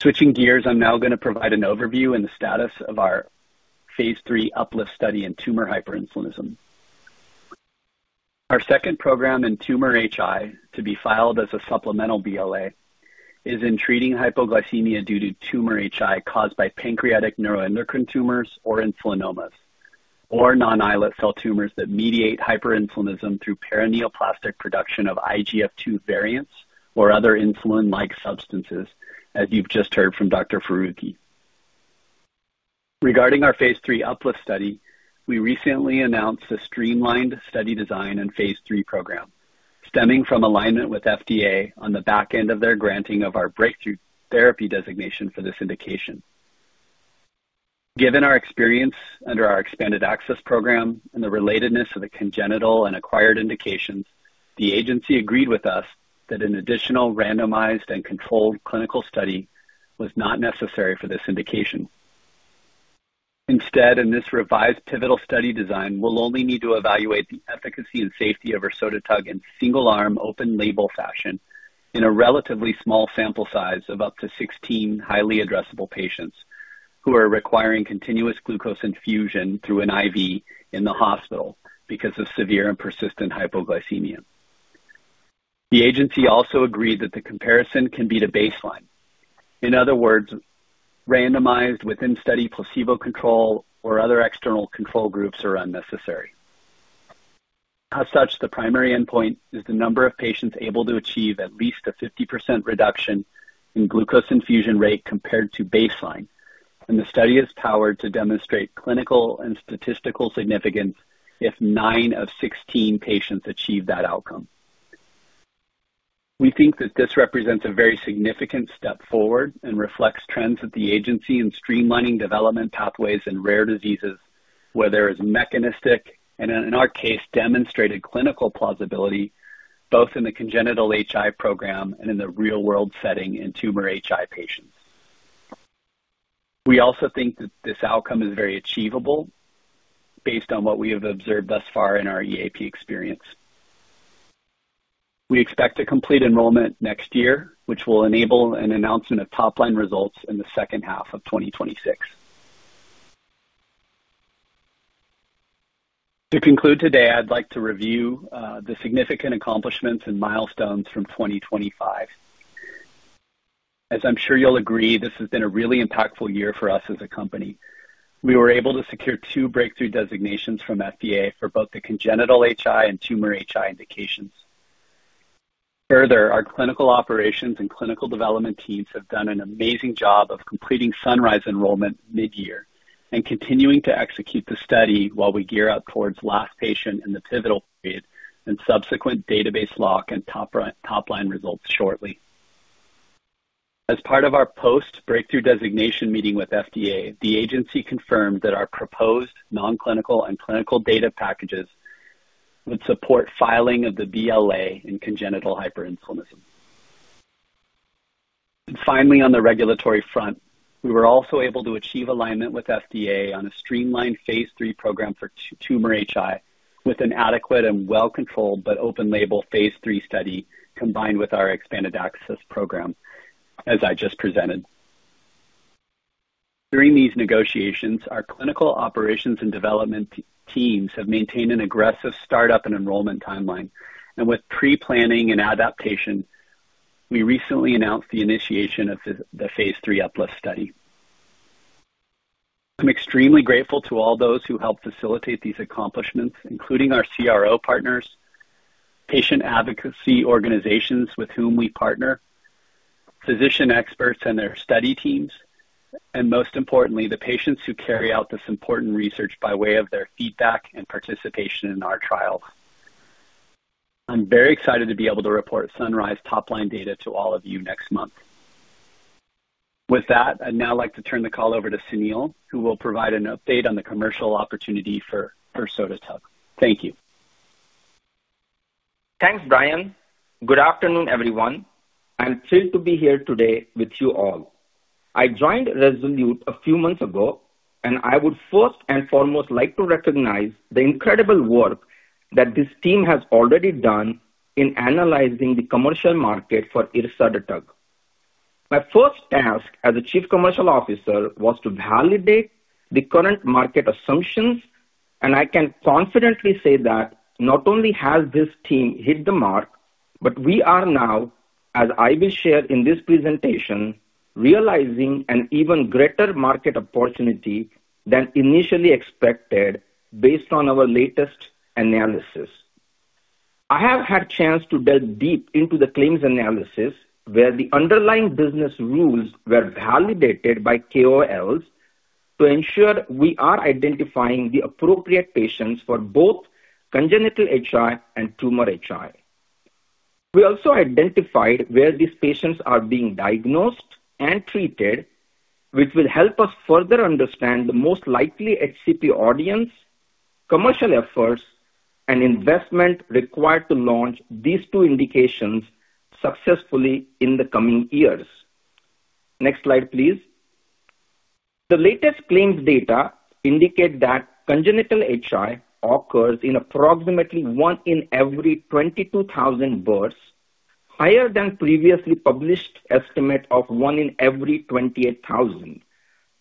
Switching gears, I'm now going to provide an overview and the status of our phase III upLIFT study in tumor hyperinsulinism. Our second program in tumor HI, to be filed as a supplemental BLA, is in treating hypoglycemia due to tumor HI caused by pancreatic neuroendocrine tumors or insulinomas or non-islet cell tumors that mediate hyperinsulinism through paraneoplastic production of IGF-2 variants or other insulin-like substances, as you've just heard from Dr. Farooki. Regarding our phase III upLIFT study, we recently announced a streamlined study design and phase III program, stemming from alignment with FDA on the back end of their granting of our breakthrough therapy designation for this indication. Given our experience under our expanded access program and the relatedness of the congenital and acquired indications, the agency agreed with us that an additional randomized and controlled clinical study was not necessary for this indication. Instead, in this revised pivotal study design, we'll only need to evaluate the efficacy and safety of ersodetug in single-arm open-label fashion in a relatively small sample size of up to 16 highly addressable patients who are requiring continuous glucose infusion through an IV in the hospital because of severe and persistent hypoglycemia. The agency also agreed that the comparison can be to baseline. In other words, randomized within-study placebo control or other external control groups are unnecessary. As such, the primary endpoint is the number of patients able to achieve at least a 50% reduction in glucose infusion rate compared to baseline. The study is powered to demonstrate clinical and statistical significance if 9 of 16 patients achieve that outcome. We think that this represents a very significant step forward and reflects trends at the agency in streamlining development pathways in rare diseases, where there is mechanistic and, in our case, demonstrated clinical plausibility, both in the congenital HI program and in the real-world setting in tumor HI patients. We also think that this outcome is very achievable based on what we have observed thus far in our EAP experience. We expect to complete enrollment next year, which will enable an announcement of top-line results in the second half of 2026. To conclude today, I'd like to review the significant accomplishments and milestones from 2025. As I'm sure you'll agree, this has been a really impactful year for us as a company. We were able to secure two breakthrough designations from FDA for both the congenital HI and tumor HI indications. Further, our clinical operations and clinical development teams have done an amazing job of completing sunRIZE enrollment mid-year and continuing to execute the study while we gear up towards last patient in the pivotal period and subsequent database lock and top-line results shortly. As part of our post-breakthrough designation meeting with FDA, the agency confirmed that our proposed non-clinical and clinical data packages would support filing of the BLA in congenital hyperinsulinism. Finally, on the regulatory front, we were also able to achieve alignment with FDA on a streamlined phase III program for tumor HI with an adequate and well-controlled but open-label phase III study combined with our expanded access program, as I just presented. During these negotiations, our clinical operations and development teams have maintained an aggressive startup and enrollment timeline. With pre-planning and adaptation, we recently announced the initiation of the phase III upLIFT study. I'm extremely grateful to all those who helped facilitate these accomplishments, including our CRO partners, patient advocacy organizations with whom we partner, physician experts and their study teams, and most importantly, the patients who carry out this important research by way of their feedback and participation in our trials. I'm very excited to be able to report sunRIZE top-line data to all of you next month. With that, I'd now like to turn the call over to Sunil, who will provide an update on the commercial opportunity for ersodetug. Thank you. Thanks, Brian. Good afternoon, everyone. I'm thrilled to be here today with you all. I joined Rezolute a few months ago, and I would first and foremost like to recognize the incredible work that this team has already done in analyzing the commercial market for ersodetug. My first task as Chief Commercial Officer was to validate the current market assumptions, and I can confidently say that not only has this team hit the mark, but we are now, as I will share in this presentation, realizing an even greater market opportunity than initially expected based on our latest analysis. I have had a chance to delve deep into the claims analysis where the underlying business rules were validated by KOLs to ensure we are identifying the appropriate patients for both congenital HI and tumor HI. We also identified where these patients are being diagnosed and treated, which will help us further understand the most likely HCP audience, commercial efforts, and investment required to launch these two indications successfully in the coming years. Next slide, please. The latest claims data indicate that congenital HI occurs in approximately one in every 22,000 births, higher than the previously published estimate of one in every 28,000,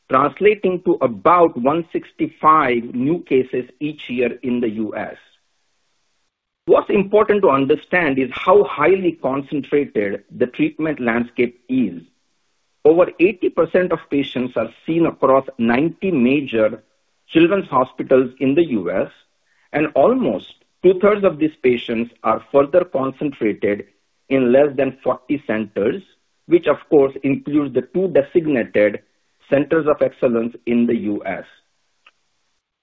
translating to about 165 new cases each year in the U.S. What's important to understand is how highly concentrated the treatment landscape is. Over 80% of patients are seen across 90 major children's hospitals in the U.S., and almost 2/3 of these patients are further concentrated in less than 40 centers, which, of course, includes the two designated centers of excellence in the U.S.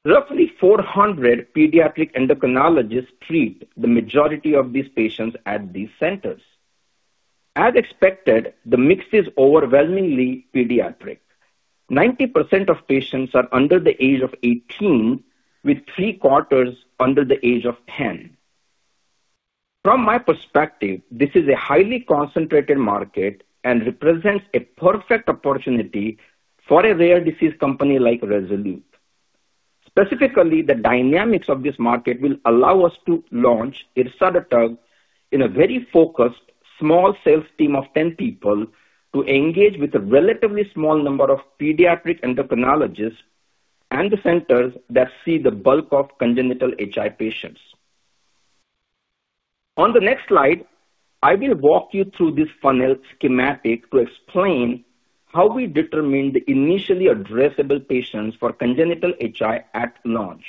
Roughly 400 pediatric endocrinologists treat the majority of these patients at these centers. As expected, the mix is overwhelmingly pediatric. 90% of patients are under the age of 18, with three-quarters under the age of 10. From my perspective, this is a highly concentrated market and represents a perfect opportunity for a rare disease company like Rezolute. Specifically, the dynamics of this market will allow us to launch ersodetug in a very focused small sales team of 10 people to engage with a relatively small number of pediatric endocrinologists and the centers that see the bulk of congenital HI patients. On the next slide, I will walk you through this funnel schematic to explain how we determine the initially addressable patients for congenital HI at launch.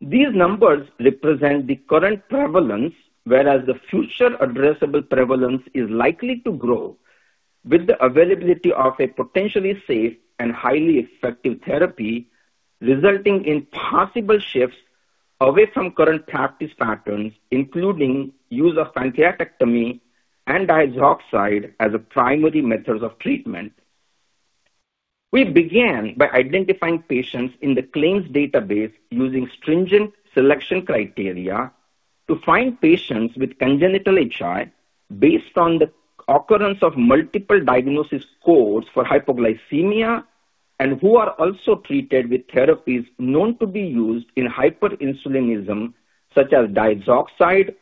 These numbers represent the current prevalence, whereas the future addressable prevalence is likely to grow with the availability of a potentially safe and highly effective therapy, resulting in possible shifts away from current practice patterns, including use of pancreatectomy and diazoxide as primary methods of treatment. We began by identifying patients in the claims database using stringent selection criteria to find patients with congenital HI based on the occurrence of multiple diagnosis codes for hypoglycemia and who are also treated with therapies known to be used in hyperinsulinism, such as diazoxide,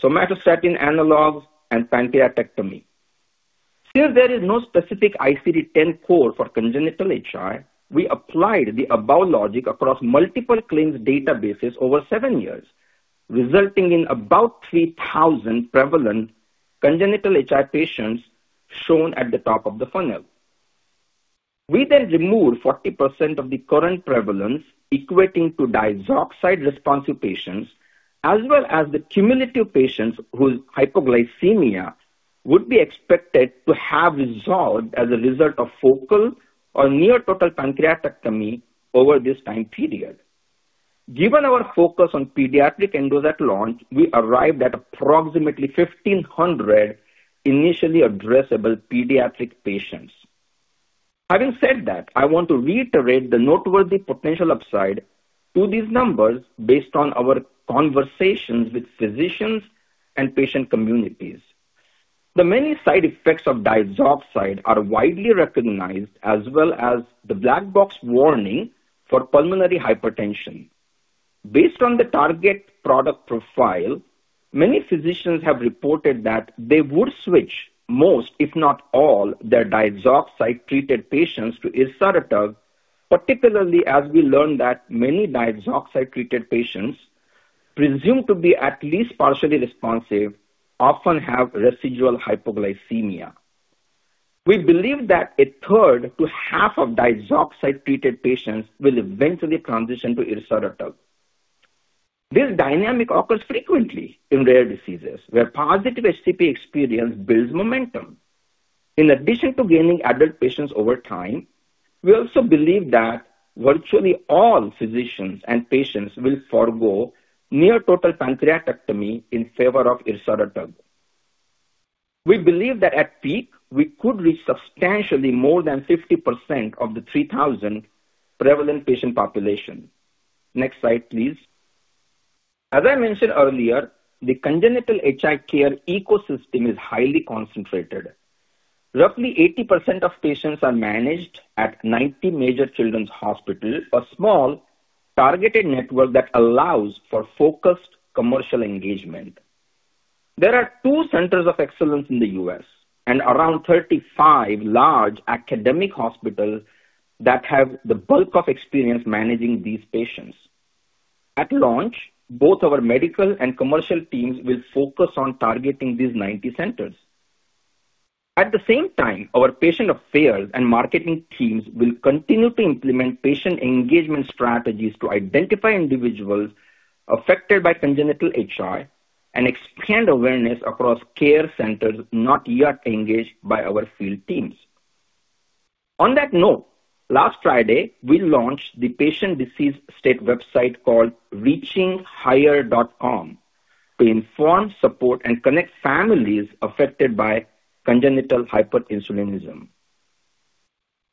somatostatin analogs, and pancreatectomy. Since there is no specific ICD-10 code for congenital HI, we applied the above logic across multiple claims databases over seven years, resulting in about 3,000 prevalent congenital HI patients shown at the top of the funnel. We then removed 40% of the current prevalence equating to diazoxide-responsive patients, as well as the cumulative patients whose hypoglycemia would be expected to have resolved as a result of focal or near total pancreatectomy over this time period. Given our focus on pediatric endo at launch, we arrived at approximately 1,500 initially addressable pediatric patients. Having said that, I want to reiterate the noteworthy potential upside to these numbers based on our conversations with physicians and patient communities. The many side effects of diazoxide are widely recognized, as well as the black box warning for pulmonary hypertension. Based on the target product profile, many physicians have reported that they would switch most, if not all, their diazoxide-treated patients to ersodetug, particularly as we learned that many diazoxide-treated patients presumed to be at least partially responsive often have residual hypoglycemia. We believe that a 1/3-1/2 of diazoxide-treated patients will eventually transition to ersodetug. This dynamic occurs frequently in rare diseases where positive HCP experience builds momentum. In addition to gaining adult patients over time, we also believe that virtually all physicians and patients will forgo near total pancreatectomy in favor of ersodetug. We believe that at peak, we could reach substantially more than 50% of the 3,000 prevalent patient population. Next slide, please. As I mentioned earlier, the congenital HI care ecosystem is highly concentrated. Roughly 80% of patients are managed at 90 major children's hospitals, a small targeted network that allows for focused commercial engagement. There are two centers of excellence in the U.S. and around 35 large academic hospitals that have the bulk of experience managing these patients. At launch, both our medical and commercial teams will focus on targeting these 90 centers. At the same time, our patient affairs and marketing teams will continue to implement patient engagement strategies to identify individuals affected by congenital HI and expand awareness across care centers not yet engaged by our field teams. On that note, last Friday, we launched the patient disease state website called reachinghigher.com to inform, support, and connect families affected by congenital hyperinsulinism.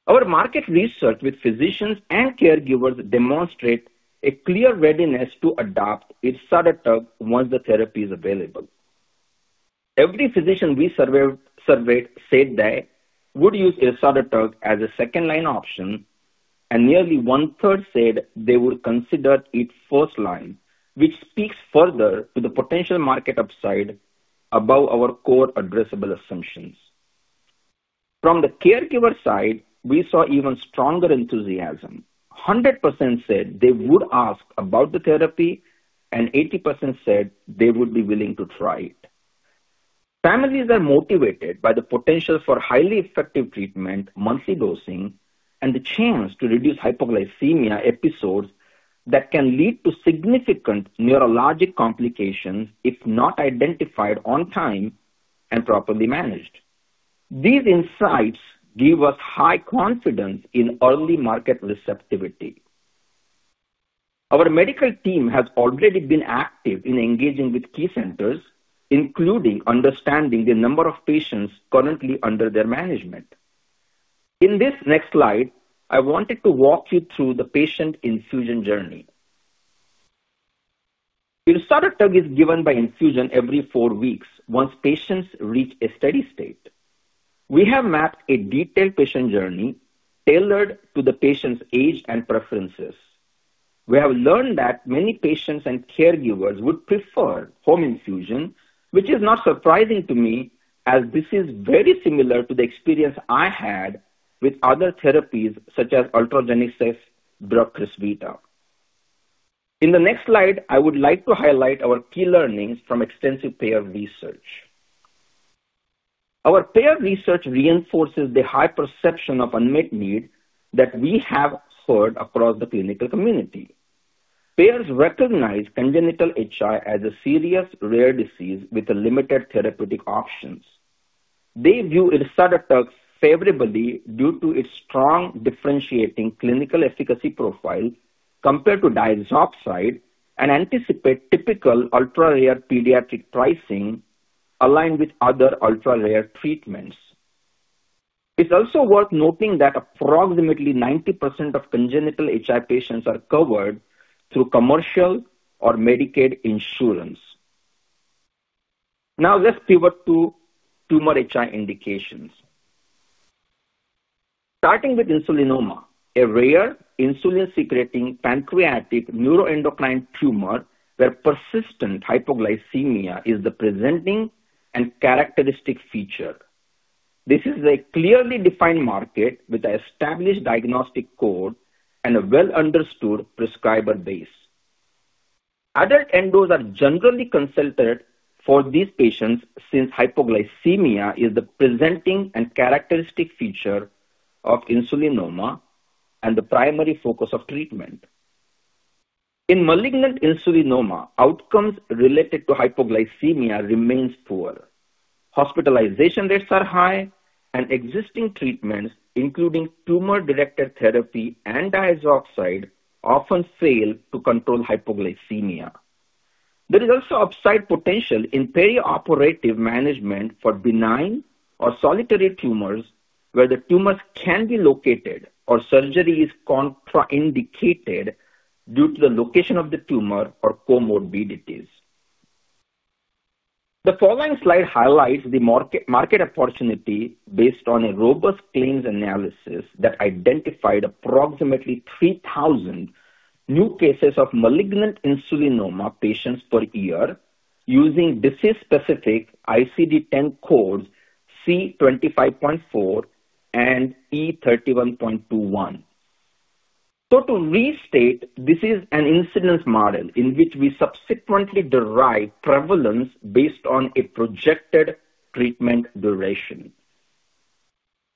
Our market research with physicians and caregivers demonstrates a clear readiness to adopt ersodetug once the therapy is available. Every physician we surveyed said they would use ersodetug as a second-line option, and nearly 1/3 said they would consider it first-line, which speaks further to the potential market upside above our core addressable assumptions. From the caregiver side, we saw even stronger enthusiasm. 100% said they would ask about the therapy, and 80% said they would be willing to try it. Families are motivated by the potential for highly effective treatment, monthly dosing, and the chance to reduce hypoglycemia episodes that can lead to significant neurologic complications if not identified on time and properly managed. These insights give us high confidence in early market receptivity. Our medical team has already been active in engaging with key centers, including understanding the number of patients currently under their management. In this next slide, I wanted to walk you through the patient infusion journey. Ersodetug is given by infusion every four weeks once patients reach a steady state. We have mapped a detailed patient journey tailored to the patient's age and preferences. We have learned that many patients and caregivers would prefer home infusion, which is not surprising to me as this is very similar to the experience I had with other therapies such as Ultragenyx drug Crysvita. In the next slide, I would like to highlight our key learnings from extensive payer research. Our payer research reinforces the high perception of unmet need that we have heard across the clinical community. Payers recognize congenital HI as a serious rare disease with limited therapeutic options. They view ersodetug favorably due to its strong differentiating clinical efficacy profile compared to diazoxide and anticipate typical ultra-rare pediatric pricing aligned with other ultra-rare treatments. It's also worth noting that approximately 90% of congenital HI patients are covered through commercial or Medicaid insurance. Now, let's pivot to tumor HI indications. Starting with insulinoma, a rare insulin-secreting pancreatic neuroendocrine tumor where persistent hypoglycemia is the presenting and characteristic feature. This is a clearly defined market with an established diagnostic code and a well-understood prescriber base. Adult endos are generally consulted for these patients since hypoglycemia is the presenting and characteristic feature of insulinoma and the primary focus of treatment. In malignant insulinoma, outcomes related to hypoglycemia remain poor. Hospitalization rates are high, and existing treatments, including tumor-directed therapy and diazoxide, often fail to control hypoglycemia. There is also upside potential in perioperative management for benign or solitary tumors where the tumors can be located or surgery is contraindicated due to the location of the tumor or comorbidities. The following slide highlights the market opportunity based on a robust claims analysis that identified approximately 3,000 new cases of malignant insulinoma patients per year using disease-specific ICD-10 codes C25.4 and E31.21. To restate, this is an incidence model in which we subsequently derive prevalence based on a projected treatment duration.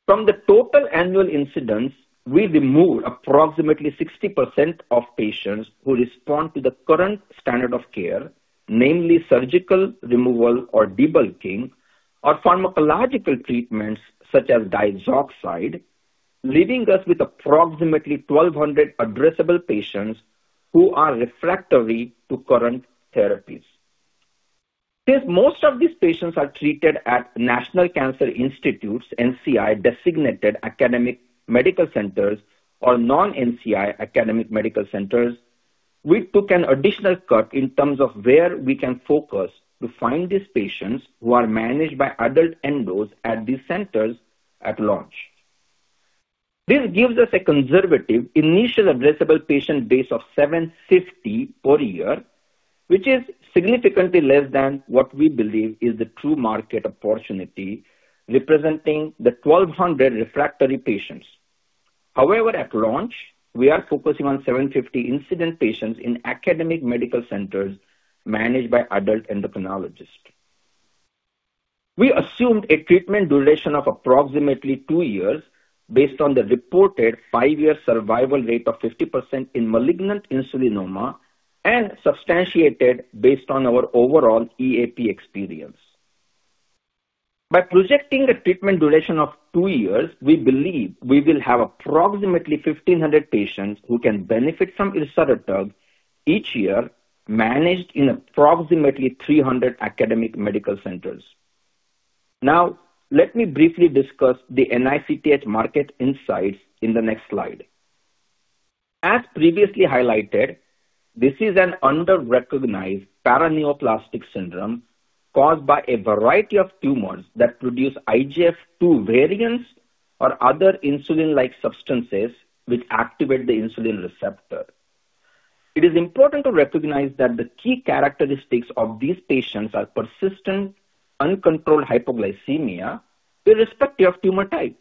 From the total annual incidence, we remove approximately 60% of patients who respond to the current standard of care, namely surgical removal or debulking or pharmacological treatments such as diazoxide, leaving us with approximately 1,200 addressable patients who are refractory to current therapies. Since most of these patients are treated at National Cancer Institute, NCI-designated academic medical centers, or non-NCI academic medical centers, we took an additional cut in terms of where we can focus to find these patients who are managed by adult endos at these centers at launch. This gives us a conservative initial addressable patient base of 750 per year, which is significantly less than what we believe is the true market opportunity representing the 1,200 refractory patients. However, at launch, we are focusing on 750 incident patients in academic medical centers managed by adult endocrinologists. We assumed a treatment duration of approximately two years based on the reported five-year survival rate of 50% in malignant insulinoma and substantiated based on our overall EAP experience. By projecting a treatment duration of two years, we believe we will have approximately 1,500 patients who can benefit from ersodetug each year managed in approximately 300 academic medical centers. Now, let me briefly discuss the NICTH market insights in the next slide. As previously highlighted, this is an under-recognized paraneoplastic syndrome caused by a variety of tumors that produce IGF-2 variants or other insulin-like substances which activate the insulin receptor. It is important to recognize that the key characteristics of these patients are persistent uncontrolled hypoglycemia irrespective of tumor type.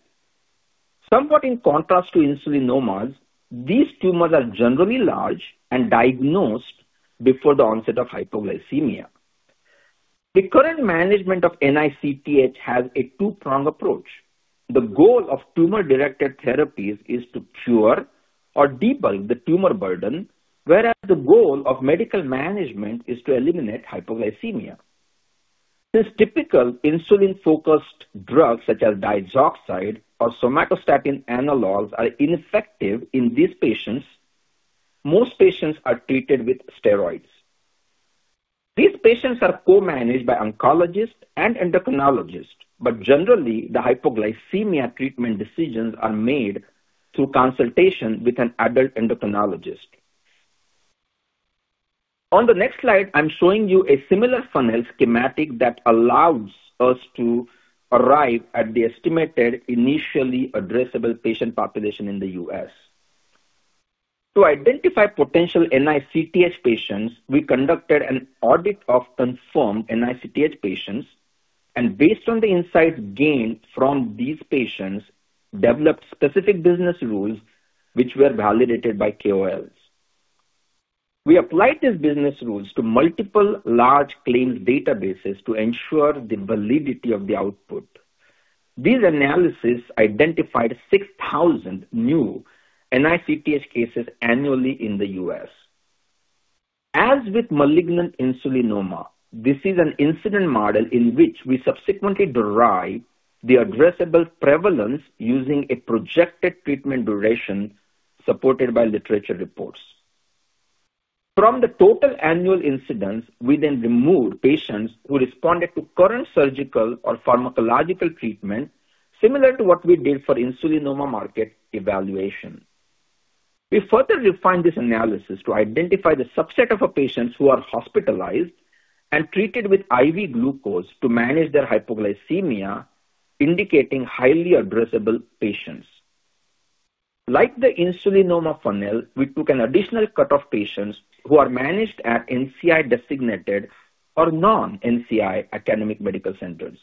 Somewhat in contrast to insulinomas, these tumors are generally large and diagnosed before the onset of hypoglycemia. The current management of NICTH has a two-prong approach. The goal of tumor-directed therapies is to cure or debulk the tumor burden, whereas the goal of medical management is to eliminate hypoglycemia. Since typical insulin-focused drugs such as diazoxide or somatostatin analogs are ineffective in these patients, most patients are treated with steroids. These patients are co-managed by oncologists and endocrinologists, but generally, the hypoglycemia treatment decisions are made through consultation with an adult endocrinologist. On the next slide, I'm showing you a similar funnel schematic that allows us to arrive at the estimated initially addressable patient population in the U.S. To identify potential NICTH patients, we conducted an audit of confirmed NICTH patients, and based on the insights gained from these patients, developed specific business rules which were validated by KOLs. We applied these business rules to multiple large claims databases to ensure the validity of the output. These analyses identified 6,000 new NICTH cases annually in the U.S. As with malignant insulinoma, this is an incident model in which we subsequently derive the addressable prevalence using a projected treatment duration supported by literature reports. From the total annual incidence, we then removed patients who responded to current surgical or pharmacological treatment similar to what we did for insulinoma market evaluation. We further refined this analysis to identify the subset of patients who are hospitalized and treated with IV glucose to manage their hypoglycemia, indicating highly addressable patients. Like the insulinoma funnel, we took an additional cut of patients who are managed at NCI-designated or non-NCI academic medical centers.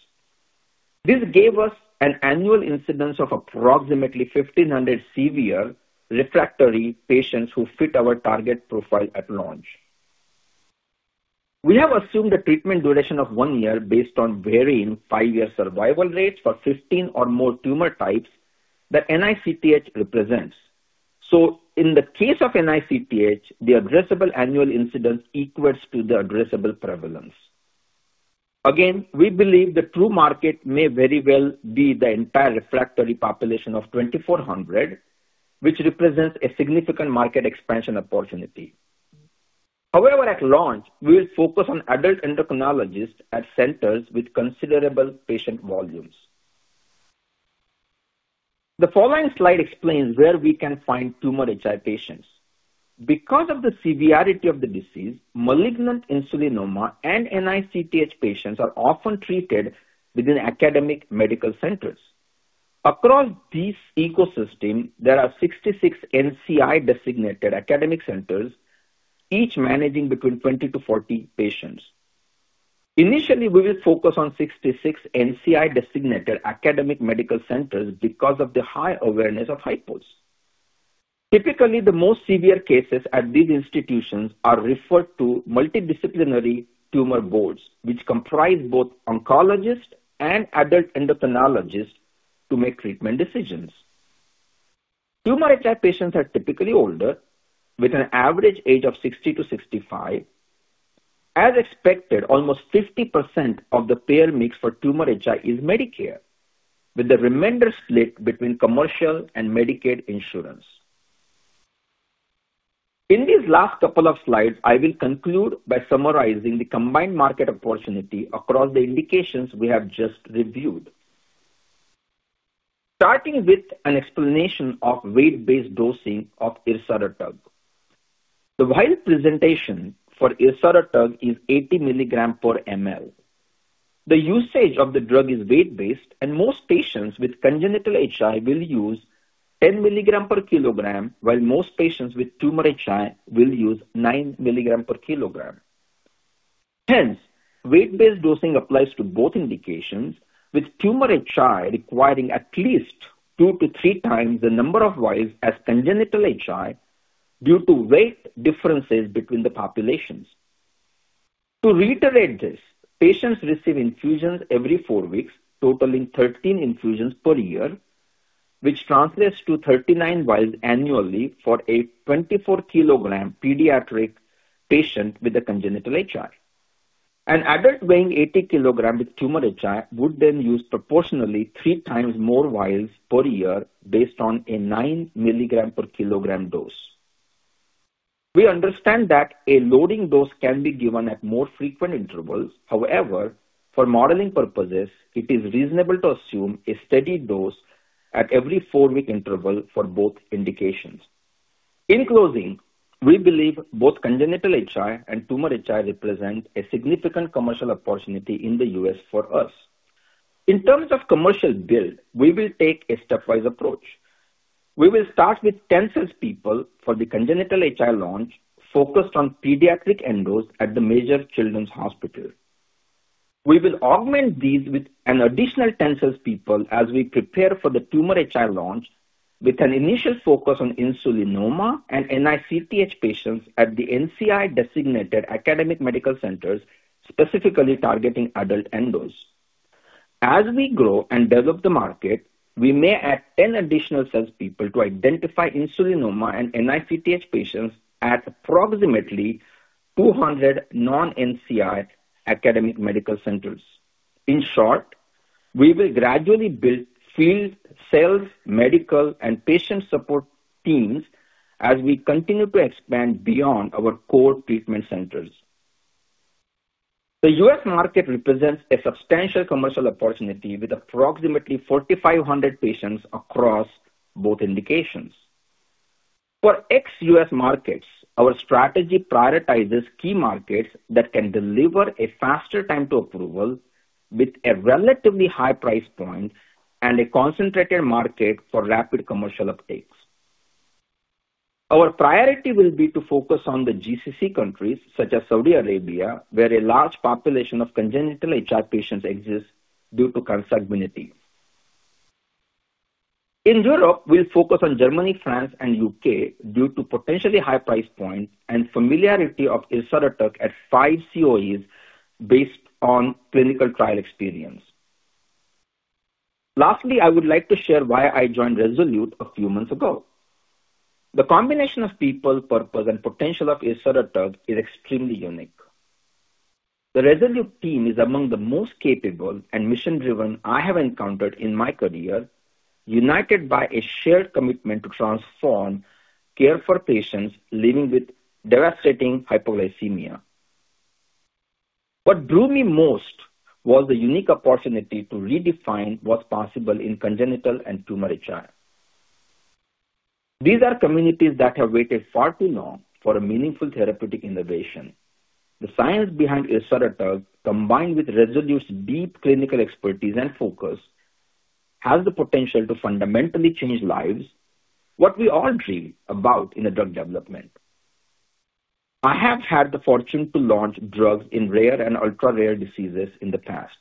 This gave us an annual incidence of approximately 1,500 severe refractory patients who fit our target profile at launch. We have assumed a treatment duration of one year based on varying five-year survival rates for 15 or more tumor types that NICTH represents. In the case of NICTH, the addressable annual incidence equals the addressable prevalence. Again, we believe the true market may very well be the entire refractory population of 2,400, which represents a significant market expansion opportunity. However, at launch, we will focus on adult endocrinologists at centers with considerable patient volumes. The following slide explains where we can find tumor HI patients. Because of the severity of the disease, malignant insulinoma and NICTH patients are often treated within academic medical centers. Across this ecosystem, there are 66 NCI-designated academic centers, each managing between 20 and 40 patients. Initially, we will focus on 66 NCI-designated academic medical centers because of the high awareness of hypos. Typically, the most severe cases at these institutions are referred to multidisciplinary tumor boards, which comprise both oncologists and adult endocrinologists to make treatment decisions. Tumor HI patients are typically older, with an average age of 60-65. As expected, almost 50% of the payer mix for tumor HI is Medicare, with the remainder split between commercial and Medicaid insurance. In these last couple of slides, I will conclude by summarizing the combined market opportunity across the indications we have just reviewed. Starting with an explanation of weight-based dosing of ersodetug. The vial presentation for ersodetug is 80 mg per mL. The usage of the drug is weight-based, and most patients with congenital HI will use 10 mg per kg, while most patients with tumor HI will use 9 mg per kg. Hence, weight-based dosing applies to both indications, with tumor HI requiring at least two to three times the number of vials as congenital HI due to weight differences between the populations. To reiterate this, patients receive infusions every four weeks, totaling 13 infusions per year, which translates to 39 vials annually for a 24 kg pediatric patient with a congenital HI. An adult weighing 80 kg with tumor HI would then use proportionally three times more vials per year based on a 9 mg per kg dose. We understand that a loading dose can be given at more frequent intervals. However, for modeling purposes, it is reasonable to assume a steady dose at every four-week interval for both indications. In closing, we believe both congenital HI and tumor HI represent a significant commercial opportunity in the U.S. for us. In terms of commercial build, we will take a stepwise approach. We will start with 10 salespeople for the congenital HI launch focused on pediatric endos at the major children's hospital. We will augment these with an additional 10 salespeople as we prepare for the tumor HI launch, with an initial focus on insulinoma and NICTH patients at the NCI-designated academic medical centers, specifically targeting adult endos. As we grow and develop the market, we may add 10 additional salespeople to identify insulinoma and NICTH patients at approximately 200 non-NCI academic medical centers. In short, we will gradually build field, sales, medical, and patient support teams as we continue to expand beyond our core treatment centers. The U.S. market represents a substantial commercial opportunity with approximately 4,500 patients across both indications. For ex-U.S. markets, our strategy prioritizes key markets that can deliver a faster time to approval with a relatively high price point and a concentrated market for rapid commercial uptakes. Our priority will be to focus on the GCC countries, such as Saudi Arabia, where a large population of congenital HI patients exists due to consanguinity. In Europe, we'll focus on Germany, France, and the U.K. due to potentially high price points and familiarity of ersodetug at five COEs based on clinical trial experience. Lastly, I would like to share why I joined Rezolute a few months ago. The combination of people, purpose, and potential of ersodetug is extremely unique. The Rezolute team is among the most capable and mission-driven I have encountered in my career, united by a shared commitment to transform care for patients living with devastating hypoglycemia. What drew me most was the unique opportunity to redefine what's possible in congenital and tumor HI. These are communities that have waited far too long for a meaningful therapeutic innovation. The science behind ersodetug, combined with Rezolute's deep clinical expertise and focus, has the potential to fundamentally change lives, what we all dream about in the drug development. I have had the fortune to launch drugs in rare and ultra-rare diseases in the past.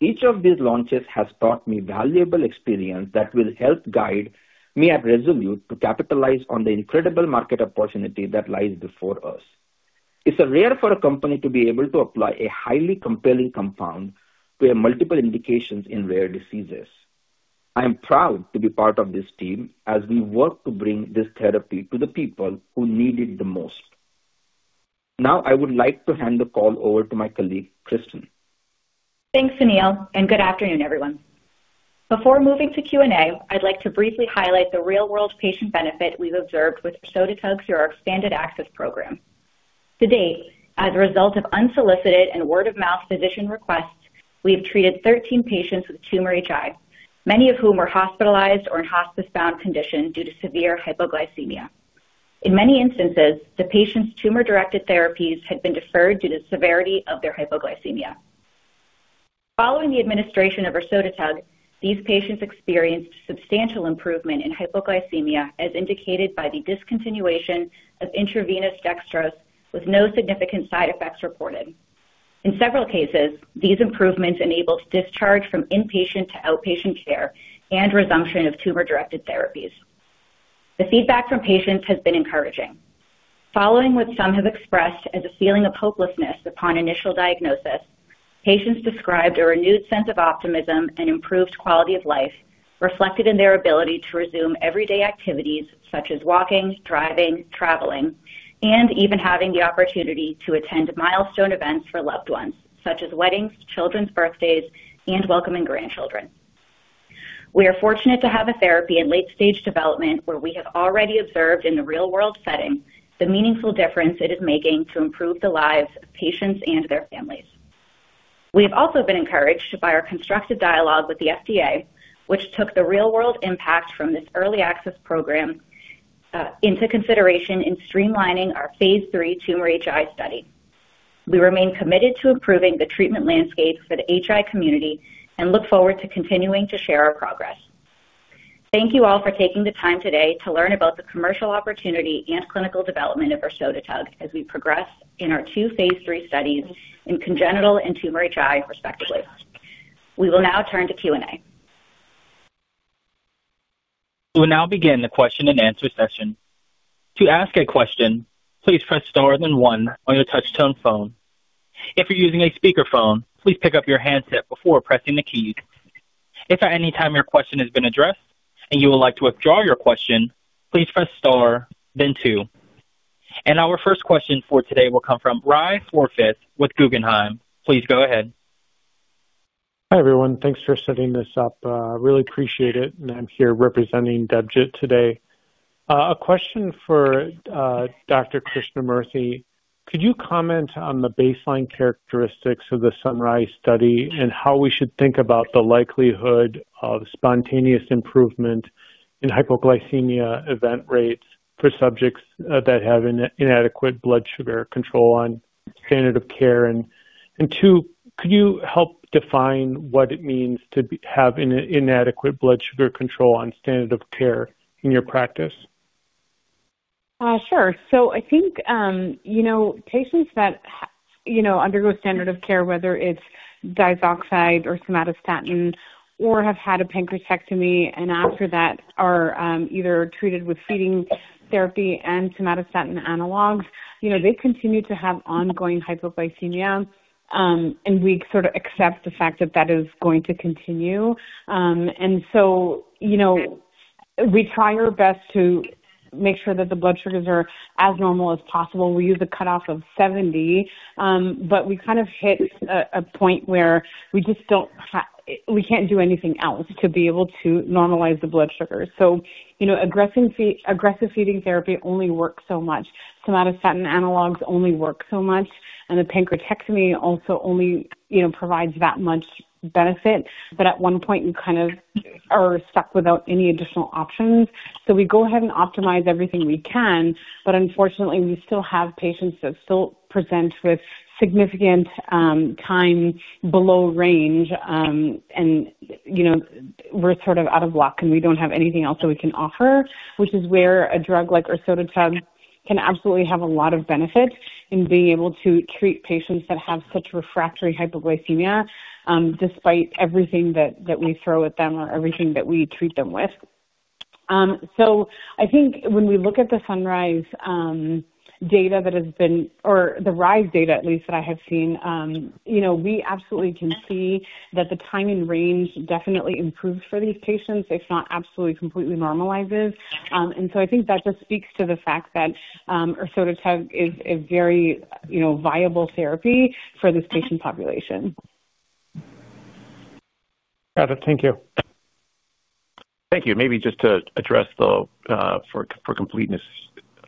Each of these launches has taught me valuable experience that will help guide me at Rezolute to capitalize on the incredible market opportunity that lies before us. It's rare for a company to be able to apply a highly compelling compound to multiple indications in rare diseases. I am proud to be part of this team as we work to bring this therapy to the people who need it the most. Now, I would like to hand the call over to my colleague, Christen. Thanks, Sunil. And good afternoon, everyone. Before moving to Q&A, I'd like to briefly highlight the real-world patient benefit we've observed with ersodetug through our expanded access program. To date, as a result of unsolicited and word-of-mouth physician requests, we have treated 13 patients with tumor HI, many of whom were hospitalized or in hospice-bound condition due to severe hypoglycemia. In many instances, the patients' tumor-directed therapies had been deferred due to the severity of their hypoglycemia. Following the administration of ersodetug, these patients experienced substantial improvement in hypoglycemia, as indicated by the discontinuation of intravenous dextrose, with no significant side effects reported. In several cases, these improvements enabled discharge from inpatient to outpatient care and resumption of tumor-directed therapies. The feedback from patients has been encouraging. Following what some have expressed as a feeling of hopelessness upon initial diagnosis, patients described a renewed sense of optimism and improved quality of life reflected in their ability to resume everyday activities such as walking, driving, traveling, and even having the opportunity to attend milestone events for loved ones, such as weddings, children's birthdays, and welcoming grandchildren. We are fortunate to have a therapy in late-stage development where we have already observed in the real-world setting the meaningful difference it is making to improve the lives of patients and their families. We have also been encouraged by our constructive dialogue with the FDA, which took the real-world impact from this early access program into consideration in streamlining our phase III tumor HI study. We remain committed to improving the treatment landscape for the HI community and look forward to continuing to share our progress. Thank you all for taking the time today to learn about the commercial opportunity and clinical development of ersodetug as we progress in our two phase III studies in congenital and tumor HI, respectively. We will now turn to Q&A. We will now begin the question-and-answer session. To ask a question, please press star then one on your touch-tone phone. If you're using a speakerphone, please pick up your handset before pressing the keys. If at any time your question has been addressed and you would like to withdraw your question, please press star, then two. Our first question for today will come from Ry Forseth with Guggenheim. Please go ahead. Hi, everyone. Thanks for setting this up. I really appreciate it. I'm here representing Debjit today. A question for Dr. Krishnamurthy. Could you comment on the baseline characteristics of the sunRIZE study and how we should think about the likelihood of spontaneous improvement in hypoglycemia event rates for subjects that have inadequate blood sugar control on standard of care? Two, could you help define what it means to have inadequate blood sugar control on standard of care in your practice? Sure. I think patients that undergo standard of care, whether it's diazoxide or somatostatin, or have had a pancreatectomy and after that are either treated with feeding therapy and somatostatin analogs, they continue to have ongoing hypoglycemia. We sort of accept the fact that that is going to continue. We try our best to make sure that the blood sugars are as normal as possible. We use a cutoff of 70. We kind of hit a point where we just don't—we can't do anything else to be able to normalize the blood sugar. Aggressive feeding therapy only works so much. Somatostatin analogs only work so much. The pancreatectomy also only provides that much benefit. At one point, you kind of are stuck without any additional options. We go ahead and optimize everything we can. Unfortunately, we still have patients that still present with significant time below range. We're sort of out of luck, and we don't have anything else that we can offer, which is where a drug like ersodetug can absolutely have a lot of benefit in being able to treat patients that have such refractory hypoglycemia despite everything that we throw at them or everything that we treat them with. I think when we look at the sunRIZE data that has been—or the RIZE data, at least, that I have seen, we absolutely can see that the time and range definitely improves for these patients, if not absolutely completely normalizes. I think that just speaks to the fact that ersodetug is a very viable therapy for this patient population. Got it. Thank you. Thank you. Maybe just to address the—for completeness,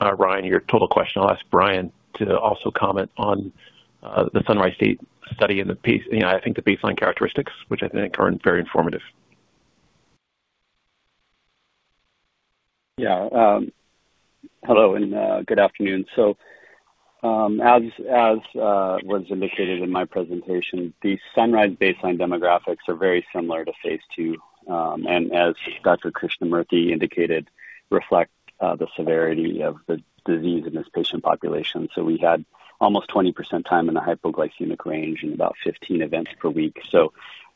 Ry, your total question, I'll ask Brian to also comment on the sunRIZE study and the baseline characteristics, which I think are very informative. Yeah. Hello, and good afternoon. As was indicated in my presentation, the sunRIZE baseline demographics are very similar to phase II, and as Dr. Krishnamurthy indicated, reflect the severity of the disease in this patient population. We had almost 20% time in the hypoglycemic range and about 15 events per week.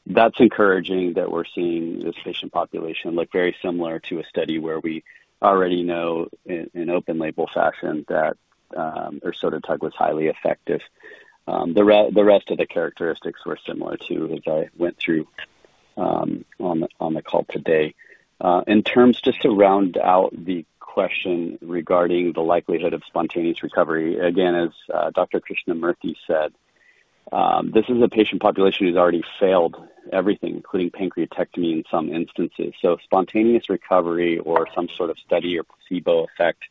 That is encouraging that we are seeing this patient population look very similar to a study where we already know in open-label fashion that ersodetug was highly effective. The rest of the characteristics were similar too as I went through on the call today. In terms just to round out the question regarding the likelihood of spontaneous recovery, again, as Dr. Krishnamurthy said, this is a patient population who has already failed everything, including pancreatectomy in some instances. Spontaneous recovery or some sort of study or placebo effect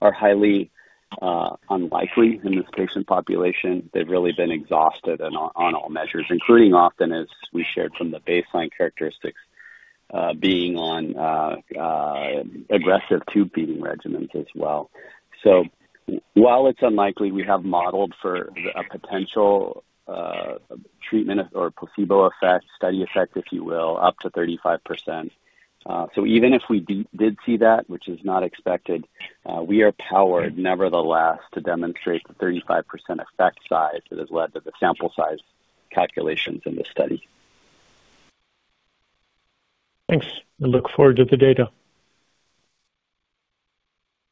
are highly unlikely in this patient population. They have really been exhausted on all measures, including often, as we shared from the baseline characteristics, being on aggressive tube feeding regimens as well. While it's unlikely, we have modeled for a potential treatment or placebo effect, study effect, if you will, up to 35%. Even if we did see that, which is not expected, we are powered, nevertheless, to demonstrate the 35% effect size that has led to the sample size calculations in this study. Thanks. I look forward to the data.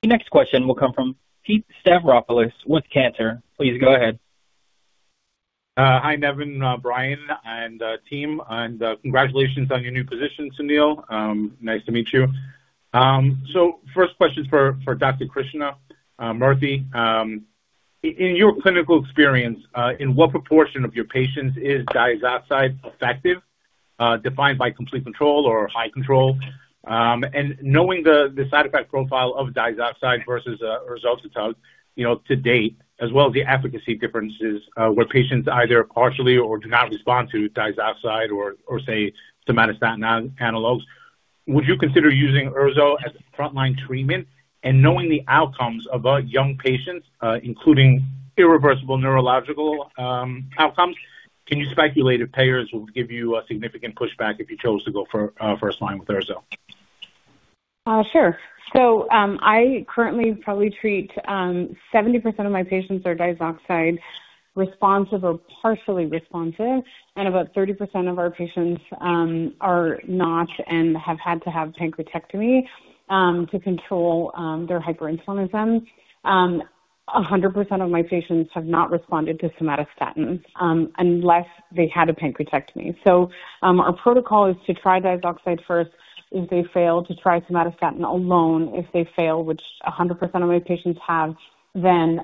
The next question will come from Pete Stavropoulos with Cantor. Please go ahead. Hi, Nevan, Brian, and team. Congratulations on your new position, Sunil. Nice to meet you. First question for Dr. Krishnamurthy. In your clinical experience, in what proportion of your patients is diazoxide effective, defined by complete control or high control? Knowing the side effect profile of diazoxide versus ersodetug to date, as well as the efficacy differences where patients either partially or do not respond to diazoxide or, say, somatostatin analogs, would you consider using erso as a frontline treatment? Knowing the outcomes of young patients, including irreversible neurological outcomes, can you speculate if payers will give you significant pushback if you chose to go first line with erso? Sure. I currently probably treat 70% of my patients that are diazoxide responsive or partially responsive. About 30% of our patients are not and have had to have pancreatectomy to control their hyperinsulinism. 100% of my patients have not responded to somatostatin unless they had a pancreatectomy. Our protocol is to try diazoxide first. If they fail, to try somatostatin alone. If they fail, which 100% of my patients have, then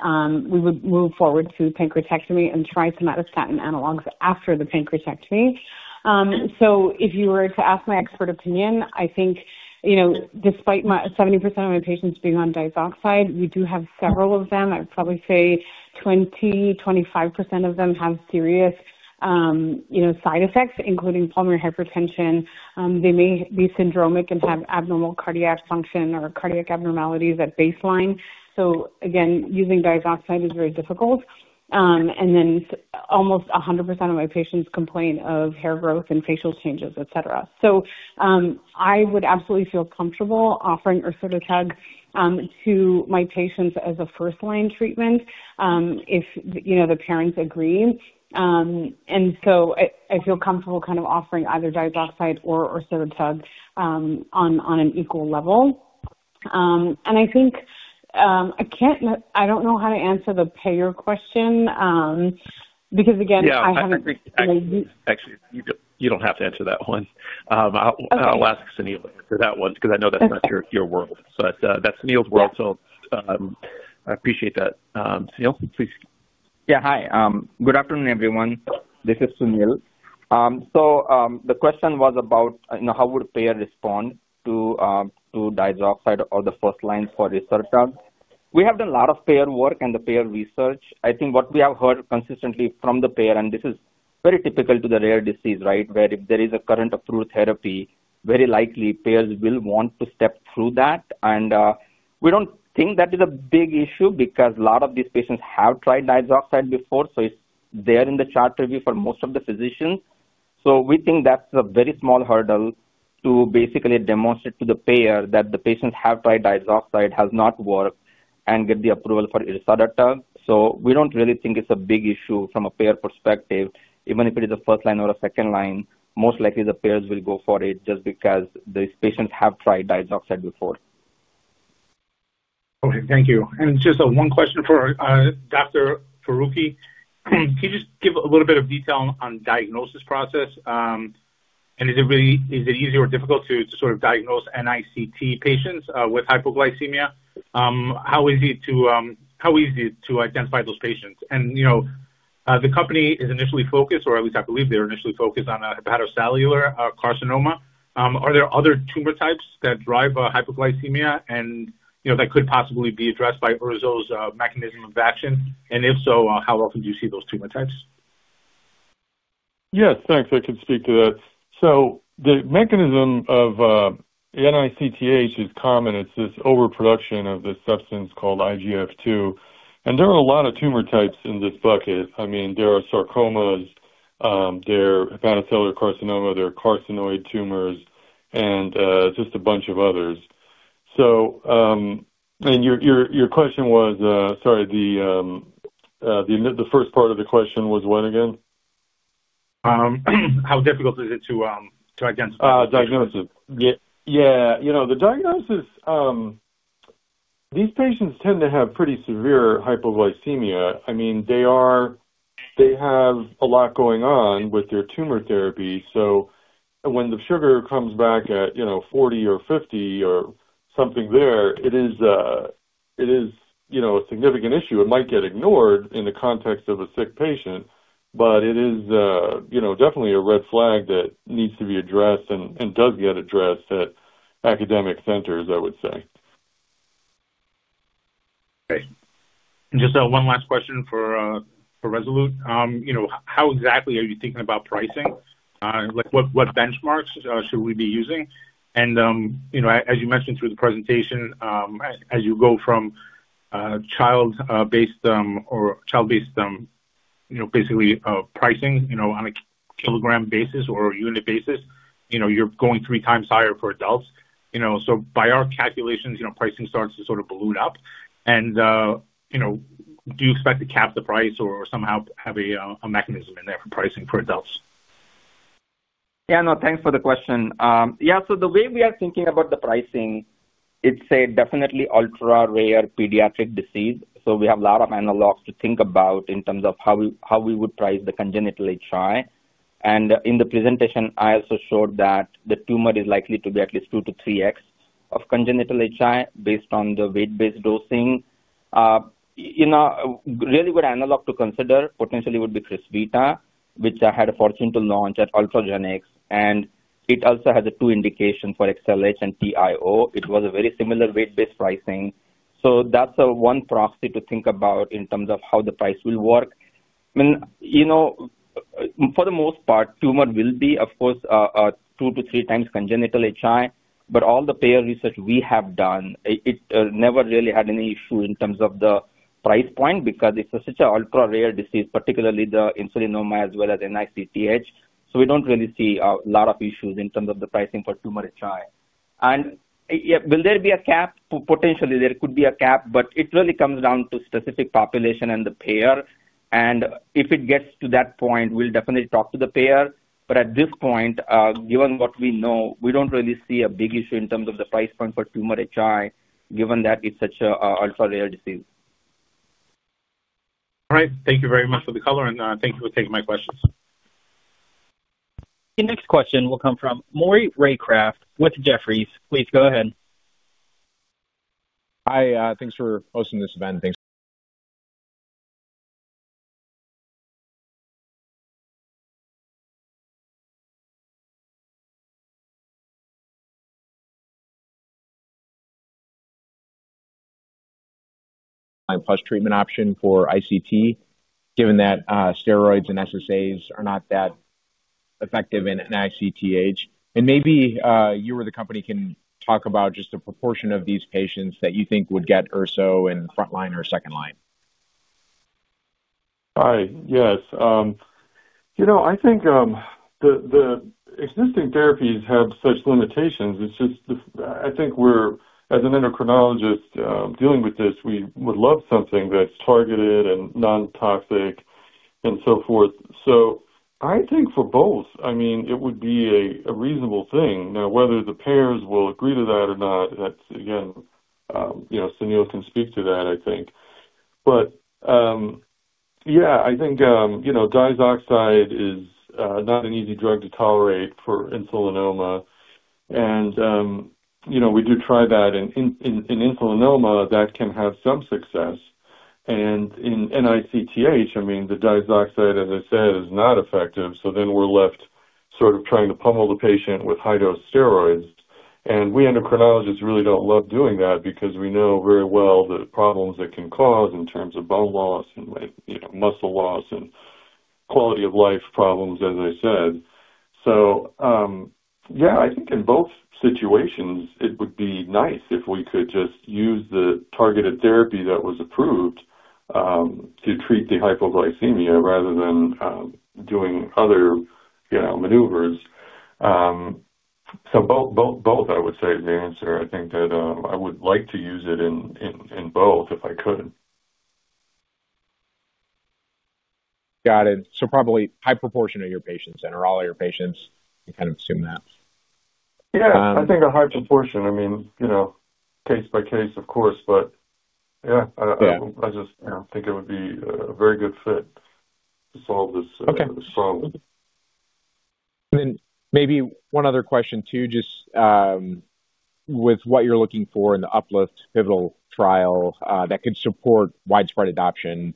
we would move forward to pancreatectomy and try somatostatin analogs after the pancreatectomy. If you were to ask my expert opinion, I think despite 70% of my patients being on diazoxide, we do have several of them. I'd probably say 20%-25% of them have serious side effects, including pulmonary hypertension. They may be syndromic and have abnormal cardiac function or cardiac abnormalities at baseline. Again, using diazoxide is very difficult. Almost 100% of my patients complain of hair growth and facial changes, etc. I would absolutely feel comfortable offering ersodetug to my patients as a first-line treatment if the parents agree. I feel comfortable kind of offering either diazoxide or ersodetug on an equal level. I think I don't know how to answer the payer question because, again, I haven't—Yeah. Actually, you do not have to answer that one. I will ask Sunil to answer that one because I know that is not your world. That is Sunil's world. I appreciate that. Sunil, please. Yeah. Hi. Good afternoon, everyone. This is Sunil. The question was about how would payers respond to diazoxide or the first line for ersodetug. We have done a lot of payer work and the payer research. I think what we have heard consistently from the payer—and this is very typical to the rare disease, right?—where if there is a current-through therapy, very likely payers will want to step through that. We do not think that is a big issue because a lot of these patients have tried diazoxide before. It is there in the chart review for most of the physicians. We think that's a very small hurdle to basically demonstrate to the payer that the patients have tried diazoxide, has not worked, and get the approval for ersodetug. We don't really think it's a big issue from a payer perspective. Even if it is a first line or a second line, most likely the payers will go for it just because these patients have tried diazoxide before. Okay. Thank you. Just one question for Dr. Farooki. Can you just give a little bit of detail on the diagnosis process? Is it easy or difficult to sort of diagnose NICTH patients with hypoglycemia? How easy to identify those patients? The company is initially focused—or at least I believe they're initially focused on hepatocellular carcinoma. Are there other tumor types that drive hypoglycemia and that could possibly be addressed by erso's mechanism of action? If so, how often do you see those tumor types? Yes. Thanks. I can speak to that. The mechanism of NICTH is common. It is this overproduction of this substance called IGF-2. There are a lot of tumor types in this bucket. I mean, there are sarcomas, there are hepatocellular carcinoma, there are carcinoid tumors, and just a bunch of others. Your question was—sorry, the first part of the question was what again? How difficult is it to identify? Diagnosis. Yeah. The diagnosis, these patients tend to have pretty severe hypoglycemia. I mean, they have a lot going on with their tumor therapy. When the sugar comes back at 40 or 50 or something there, it is a significant issue. It might get ignored in the context of a sick patient. But it is definitely a red flag that needs to be addressed and does get addressed at academic centers, I would say. Okay. And just one last question for Rezolute. How exactly are you thinking about pricing? What benchmarks should we be using? And as you mentioned through the presentation, as you go from child-based or child-based, basically pricing on a kilogram basis or unit basis, you're going three times higher for adults. So by our calculations, pricing starts to sort of balloon up. And do you expect to cap the price or somehow have a mechanism in there for pricing for adults? Yeah. No. Thanks for the question. Yeah. So the way we are thinking about the pricing, it's a definitely ultra-rare pediatric disease. So we have a lot of analogs to think about in terms of how we would price the congenital HI. In the presentation, I also showed that the tumor is likely to be at least 2x-3x of congenital HI based on the weight-based dosing. A really good analog to consider potentially would be Crysvita, which I had a fortune to launch at Ultragenyx. It also has a two indication for XLH and TIO. It was a very similar weight-based pricing. That is one proxy to think about in terms of how the price will work. I mean, for the most part, tumor will be, of course, 2x-3x congenital HI. All the payer research we have done, it never really had any issue in terms of the price point because it is such an ultra-rare disease, particularly the insulinoma as well as NICTH. We do not really see a lot of issues in terms of the pricing for tumor HI. Will there be a cap? Potentially, there could be a cap. It really comes down to specific population and the payer. If it gets to that point, we'll definitely talk to the payer. At this point, given what we know, we don't really see a big issue in terms of the price point for tumor HI given that it's such an ultra-rare disease. All right. Thank you very much for the color. Thank you for taking my questions. The next question will come from Maury Raycroft with Jefferies. Please go ahead. Hi. Thanks for hosting this event. Thanks. I'm a first treatment option for ICT given that steroids and SSAs are not that effective in NICTH. Maybe you or the company can talk about just the proportion of these patients that you think would get erso in front line or second line. Hi. Yes. I think the existing therapies have such limitations. It's just I think we're, as an endocrinologist dealing with this, we would love something that's targeted and non-toxic and so forth. I think for both, I mean, it would be a reasonable thing. Now, whether the payers will agree to that or not, that's, again, Sunil can speak to that, I think. Yeah, I think diazoxide is not an easy drug to tolerate for insulinoma. We do try that. In insulinoma, that can have some success. In NICTH, I mean, the diazoxide, as I said, is not effective. Then we're left sort of trying to pummel the patient with high-dose steroids. We endocrinologists really don't love doing that because we know very well the problems it can cause in terms of bone loss and muscle loss and quality of life problems, as I said. Yeah, I think in both situations, it would be nice if we could just use the targeted therapy that was approved to treat the hypoglycemia rather than doing other maneuvers. Both, I would say, is the answer. I think that I would like to use it in both if I could. Got it. Probably high proportion of your patients and all your patients. You kind of assume that. Yeah. I think a high proportion. I mean, case by case, of course. Yeah, I just think it would be a very good fit to solve this problem. Maybe one other question too, just with what you're looking for in the upLIFT pivotal trial that could support widespread adoption.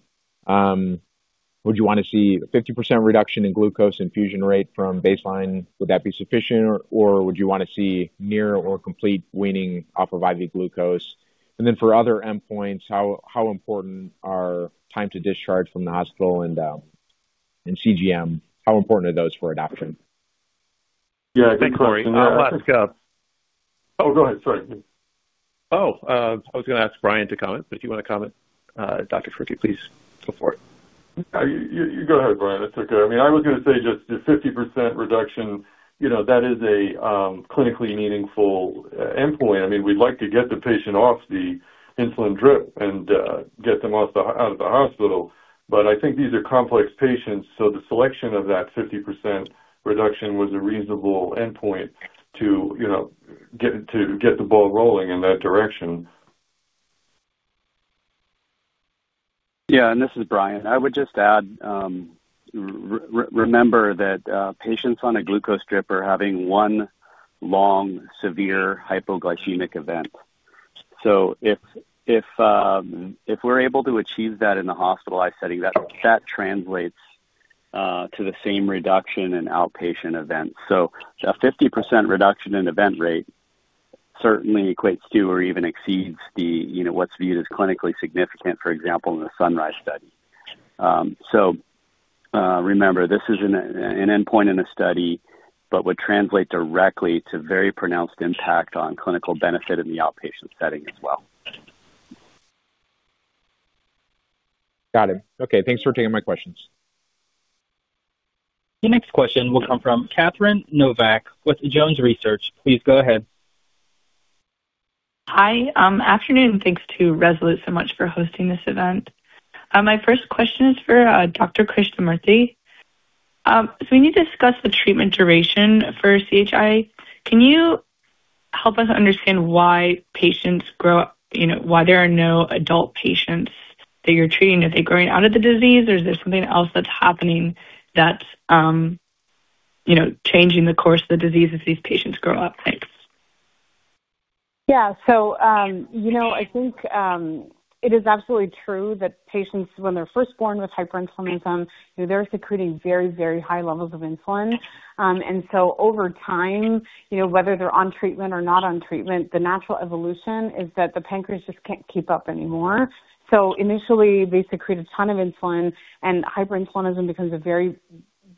Would you want to see a 50% reduction in glucose infusion rate from baseline? Would that be sufficient? Or would you want to see near or complete weaning off of IV glucose? And then for other endpoints, how important are time to discharge from the hospital and CGM? How important are those for adoption? Yeah. Thanks, Maury. Let's go. Oh, go ahead. Sorry. Oh, I was going to ask Brian to comment, but if you want to comment, Dr. Farooki, please go for it. You go ahead, Brian. That's okay. I mean, I was going to say just the 50% reduction, that is a clinically meaningful endpoint. I mean, we'd like to get the patient off the insulin drip and get them out of the hospital. I think these are complex patients. The selection of that 50% reduction was a reasonable endpoint to get the ball rolling in that direction. Yeah. And this is Brian. I would just add, remember that patients on a glucose drip are having one long severe hypoglycemic event. If we're able to achieve that in the hospitalized setting, that translates to the same reduction in outpatient events. A 50% reduction in event rate certainly equates to or even exceeds what's viewed as clinically significant, for example, in the sunRIZE study. Remember, this is an endpoint in a study, but would translate directly to very pronounced impact on clinical benefit in the outpatient setting as well. Got it. Okay. Thanks for taking my questions. The next question will come from Catherine Novack with Jones Research. Please go ahead. Hi. Afternoon. Thanks to Rezolute so much for hosting this event. My first question is for Dr. Krishnamurthy. We need to discuss the treatment duration for CHI. Can you help us understand why patients grow up, why there are no adult patients that you're treating? Are they growing out of the disease, or is there something else that's happening that's changing the course of the disease as these patients grow up? Thanks. Yeah. I think it is absolutely true that patients, when they're first born with hyperinsulinism, they're secreting very, very high levels of insulin. Over time, whether they're on treatment or not on treatment, the natural evolution is that the pancreas just can't keep up anymore. Initially, they secrete a ton of insulin, and hyperinsulinism becomes a very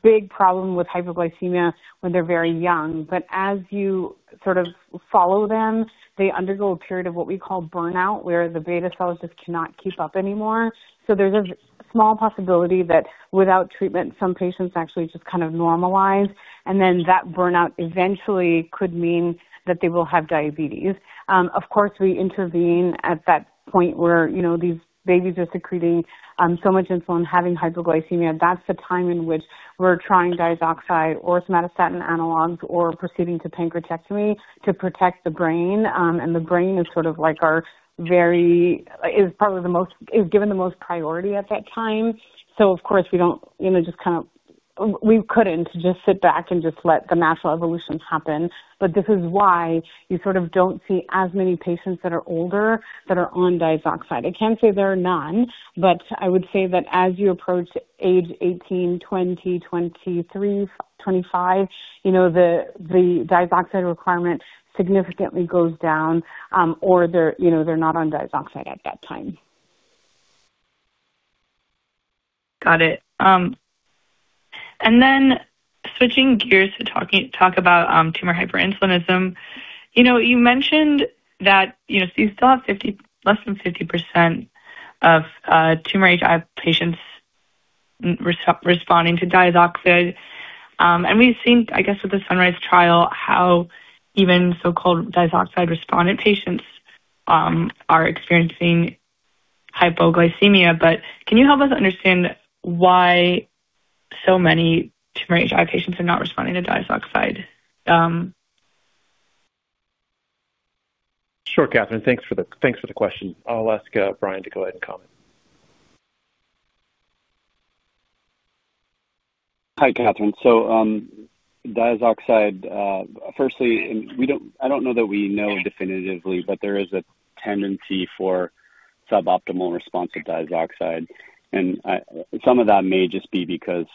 big problem with hypoglycemia when they're very young. As you sort of follow them, they undergo a period of what we call burnout, where the beta cells just cannot keep up anymore. There's a small possibility that without treatment, some patients actually just kind of normalize. And then that burnout eventually could mean that they will have diabetes. Of course, we intervene at that point where these babies are secreting so much insulin, having hypoglycemia. That's the time in which we're trying diazoxide or somatostatin analogs or proceeding to pancreatectomy to protect the brain. The brain is sort of like our very is probably the most is given the most priority at that time. Of course, we don't just kind of we couldn't just sit back and just let the natural evolution happen. This is why you sort of don't see as many patients that are older that are on diazoxide. I can't say there are none, but I would say that as you approach age 18, 20, 23, 25, the diazoxide requirement significantly goes down, or they're not on diazoxide at that time. Got it. Switching gears to talk about tumor hyperinsulinism, you mentioned that you still have less than 50% of tumor HI patients responding to diazoxide. We've seen, I guess, with the sunRIZE trial how even so-called diazoxide-respondent patients are experiencing hypoglycemia. Can you help us understand why so many tumor HI patients are not responding to diazoxide? Sure, Catherine. Thanks for the question. I'll ask Brian to go ahead and comment. Hi, Catherine. Diazoxide, firstly, I don't know that we know definitively, but there is a tendency for suboptimal response to diazoxide. Some of that may just be because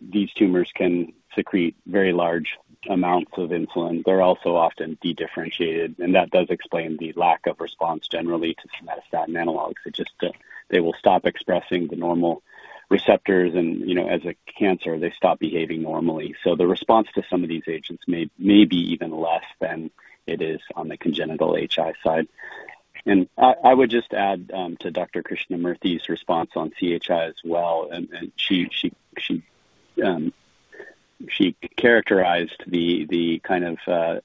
these tumors can secrete very large amounts of insulin. They're also often de-differentiated. That does explain the lack of response generally to somatostatin analogs. They will stop expressing the normal receptors. As a cancer, they stop behaving normally. The response to some of these agents may be even less than it is on the congenital HI side. I would just add to Dr. Krishnamurthy's response on CHI as well. She characterized the kind of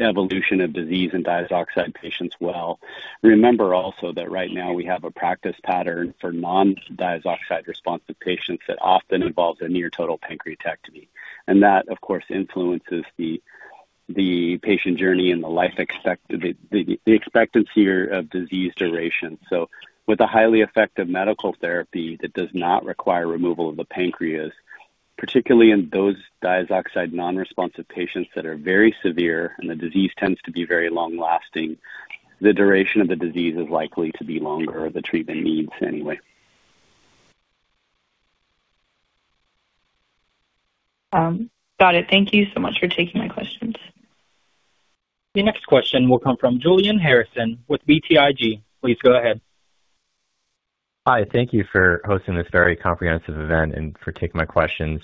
evolution of disease in diazoxide patients well. Remember also that right now, we have a practice pattern for non-diazoxide-responsive patients that often involves a near total pancreatectomy. That, of course, influences the patient journey and the expectancy of disease duration. With a highly effective medical therapy that does not require removal of the pancreas, particularly in those diazoxide non-responsive patients that are very severe and the disease tends to be very long-lasting, the duration of the disease is likely to be longer or the treatment needs anyway. Got it. Thank you so much for taking my questions. The next question will come from Julian Harrison with BTIG. Please go ahead. Hi. Thank you for hosting this very comprehensive event and for taking my questions.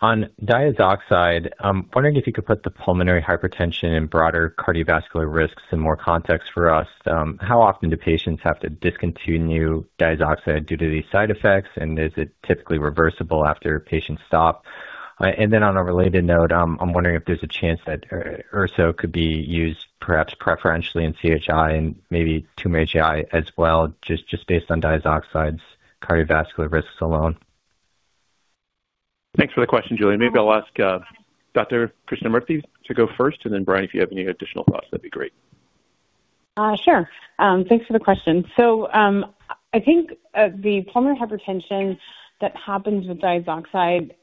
On diazoxide, I'm wondering if you could put the pulmonary hypertension and broader cardiovascular risks in more context for us. How often do patients have to discontinue diazoxide due to these side effects? Is it typically reversible after patients stop? Then on a related note, I'm wondering if there's a chance that erso could be used perhaps preferentially in CHI and maybe tumor HI as well, just based on diazoxide's cardiovascular risks alone. Thanks for the question, Julian. Maybe I'll ask Dr. Krishnamurthy to go first. Then Brian, if you have any additional thoughts, that'd be great. Sure. Thanks for the question. I think the pulmonary hypertension that happens with diazoxide,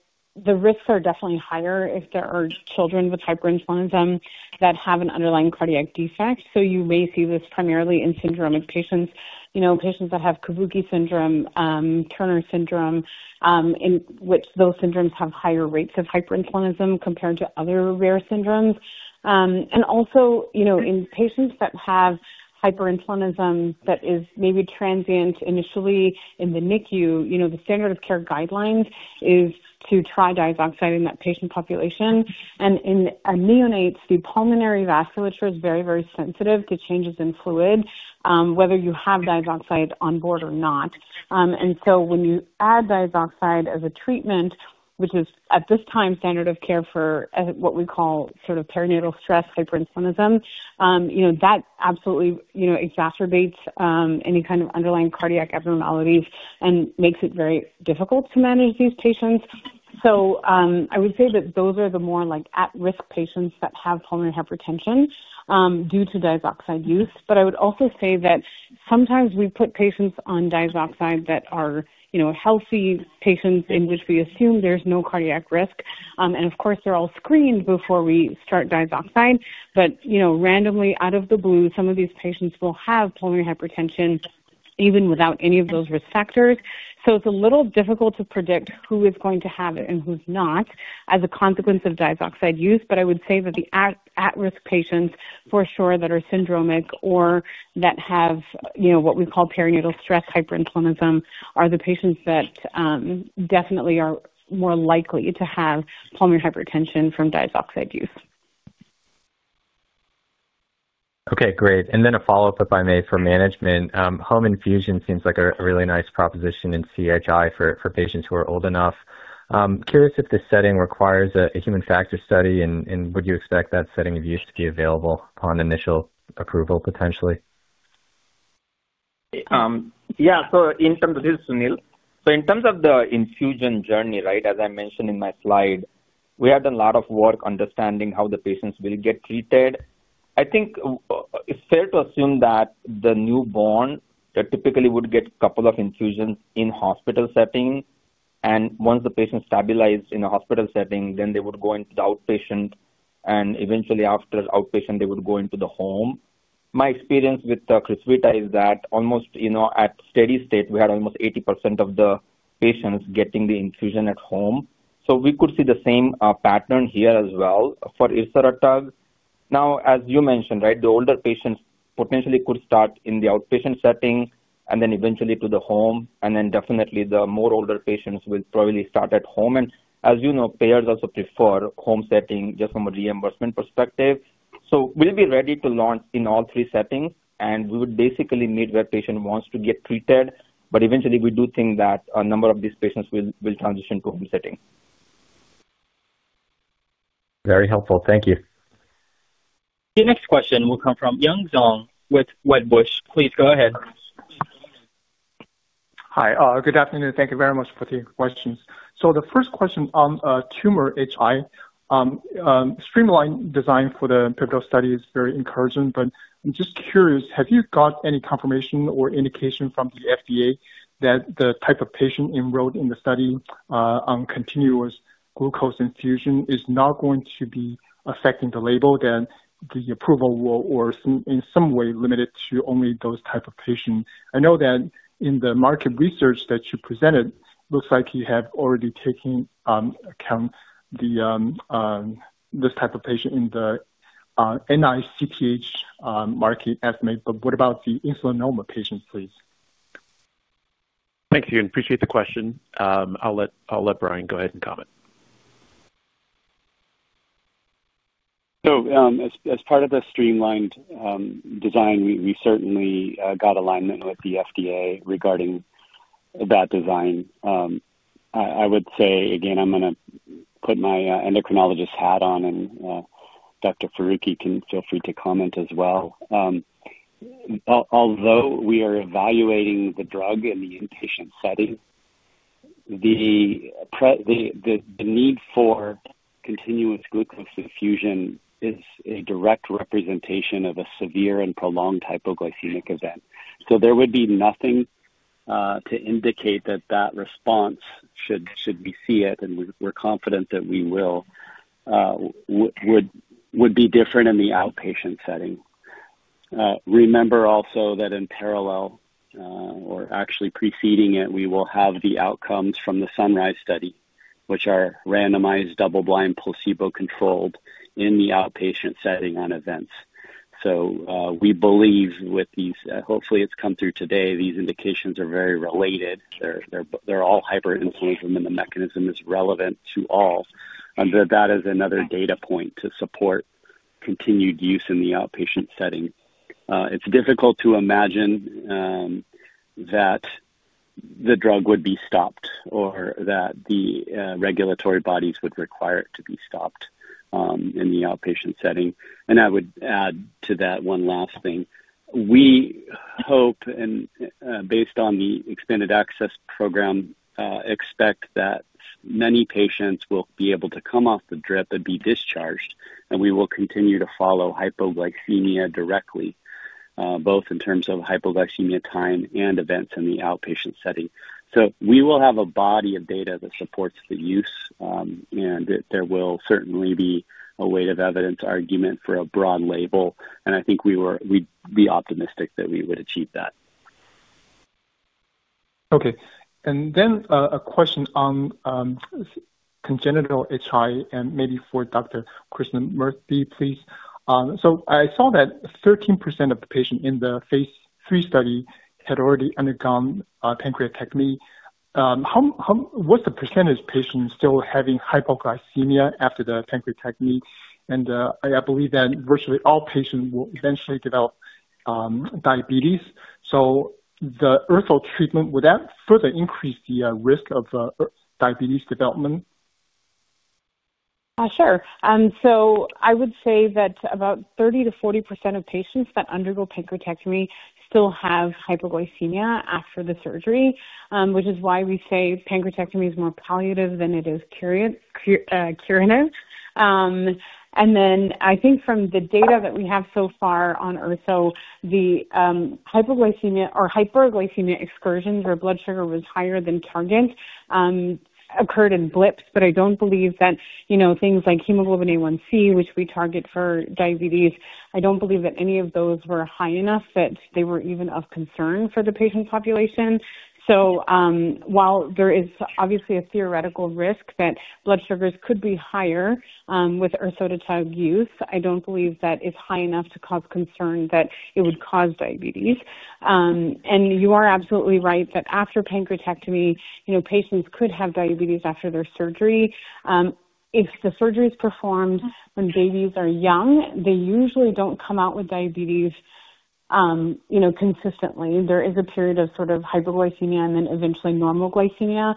the risks are definitely higher if there are children with hyperinsulinism that have an underlying cardiac defect. You may see this primarily in syndromic patients, patients that have Kabuki syndrome, Turner syndrome, in which those syndromes have higher rates of hyperinsulinism compared to other rare syndromes. Also, in patients that have hyperinsulinism that is maybe transient initially in the NICU, the standard of care guidelines is to try diazoxide in that patient population. In neonates, the pulmonary vasculature is very, very sensitive to changes in fluid, whether you have diazoxide on board or not. When you add diazoxide as a treatment, which is at this time standard of care for what we call sort of perinatal stress hyperinsulinism, that absolutely exacerbates any kind of underlying cardiac abnormalities and makes it very difficult to manage these patients. I would say that those are the more at-risk patients that have pulmonary hypertension due to diazoxide use. I would also say that sometimes we put patients on diazoxide that are healthy patients in which we assume there is no cardiac risk. Of course, they are all screened before we start diazoxide. Randomly, out of the blue, some of these patients will have pulmonary hypertension even without any of those risk factors. It's a little difficult to predict who is going to have it and who's not as a consequence of diazoxide use. I would say that the at-risk patients for sure that are syndromic or that have what we call perinatal stress hyperinsulinism are the patients that definitely are more likely to have pulmonary hypertension from diazoxide use. Okay. Great. A follow-up, if I may, for management. Home infusion seems like a really nice proposition in CHI for patients who are old enough. Curious if this setting requires a human factor study. Would you expect that setting of use to be available upon initial approval, potentially? Yeah. In terms of this, Sunil, in terms of the infusion journey, as I mentioned in my slide, we have done a lot of work understanding how the patients will get treated. I think it's fair to assume that the newborn typically would get a couple of infusions in a hospital setting. Once the patient stabilized in a hospital setting, they would go into the outpatient. Eventually, after outpatient, they would go into the home. My experience with Krishnamurthy is that almost at steady state, we had almost 80% of the patients getting the infusion at home. We could see the same pattern here as well for ersodetug. As you mentioned, right, the older patients potentially could start in the outpatient setting and then eventually to the home. Definitely, the more older patients will probably start at home. As you know, payers also prefer home setting just from a reimbursement perspective. We will be ready to launch in all three settings. We would basically meet where a patient wants to get treated. Eventually, we do think that a number of these patients will transition to home setting. Very helpful. Thank you. The next question will come from Yun Zhong with Wedbush. Please go ahead. Hi. Good afternoon. Thank you very much for the questions. The first question on tumor HI, streamlined design for the pivotal study is very encouraging. I'm just curious, have you got any confirmation or indication from the FDA that the type of patient enrolled in the study on continuous glucose infusion is not going to be affecting the label, that the approval will, or in some way, limit it to only those types of patients? I know that in the market research that you presented, it looks like you have already taken account of this type of patient in the NICTH market estimate. What about the insulinoma patients, please? Thank you. I appreciate the question. I'll let Brian go ahead and comment. As part of the streamlined design, we certainly got alignment with the FDA regarding that design. I would say, again, I'm going to put my endocrinologist hat on. Dr. Farooki can feel free to comment as well. Although we are evaluating the drug in the inpatient setting, the need for continuous glucose infusion is a direct representation of a severe and prolonged hypoglycemic event. There would be nothing to indicate that that response, should we see it—and we're confident that we will—would be different in the outpatient setting. Remember also that in parallel, or actually preceding it, we will have the outcomes from the sunRIZE study, which are randomized, double-blind, placebo-controlled in the outpatient setting on events. We believe with these—hopefully, it's come through today—these indications are very related. They're all hyperinsulinism, and the mechanism is relevant to all. That is another data point to support continued use in the outpatient setting. It's difficult to imagine that the drug would be stopped or that the regulatory bodies would require it to be stopped in the outpatient setting. I would add to that one last thing. We hope, and based on the expanded access program, expect that many patients will be able to come off the drip and be discharged. We will continue to follow hypoglycemia directly, both in terms of hypoglycemia time and events in the outpatient setting. We will have a body of data that supports the use. There will certainly be a weight of evidence argument for a broad label. I think we'd be optimistic that we would achieve that. Okay. A question on congenital HI, and maybe for Dr. Krishnamurthy, please. I saw that 13% of the patients in the phase III study had already undergone pancreatectomy. What's the percentage of patients still having hypoglycemia after the pancreatectomy? I believe that virtually all patients will eventually develop diabetes. The erso treatment, would that further increase the risk of diabetes development? Sure. I would say that about 30%-40% of patients that undergo pancreatectomy still have hypoglycemia after the surgery, which is why we say pancreatectomy is more palliative than it is curative. From the data that we have so far on erso, the hypoglycemia or hyperglycemia excursions where blood sugar was higher than target occurred in blips. I don't believe that things like hemoglobin A1c, which we target for diabetes, I don't believe that any of those were high enough that they were even of concern for the patient population. While there is obviously a theoretical risk that blood sugars could be higher with ersodetug use, I don't believe that it's high enough to cause concern that it would cause diabetes. You are absolutely right that after pancreatectomy, patients could have diabetes after their surgery. If the surgery is performed when babies are young, they usually don't come out with diabetes consistently. There is a period of sort of hypoglycemia and then eventually normal glycemia.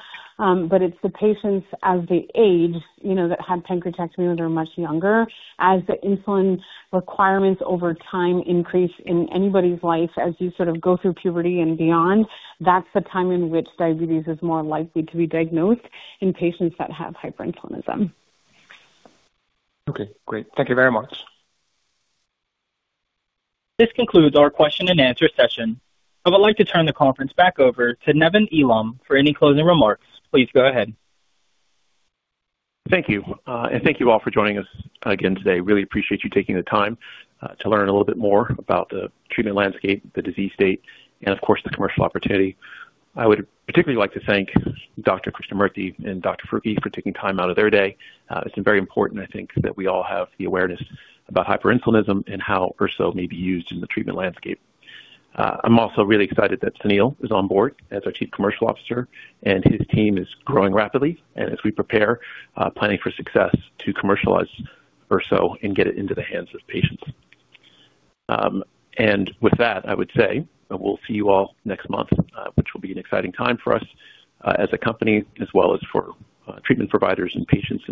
It's the patients as they age that had pancreatectomy when they're much younger. As the insulin requirements over time increase in anybody's life, as you sort of go through puberty and beyond, that's the time in which diabetes is more likely to be diagnosed in patients that have hyperinsulinism. Okay. Great. Thank you very much. This concludes our question-and-answer session. I would like to turn the conference back over to Nevan Elam for any closing remarks. Please go ahead. Thank you. And thank you all for joining us again today. Really appreciate you taking the time to learn a little bit more about the treatment landscape, the disease state, and of course, the commercial opportunity. I would particularly like to thank Dr. Krishnamurthy and Dr. Farooki for taking time out of their day. It's been very important, I think, that we all have the awareness about hyperinsulinism and how ersodetug may be used in the treatment landscape. I'm also really excited that Sunil is on board as our Chief Commercial Officer. His team is growing rapidly as we prepare, planning for success to commercialize erso and get it into the hands of patients. With that, I would say we'll see you all next month, which will be an exciting time for us as a company, as well as for treatment providers and patients.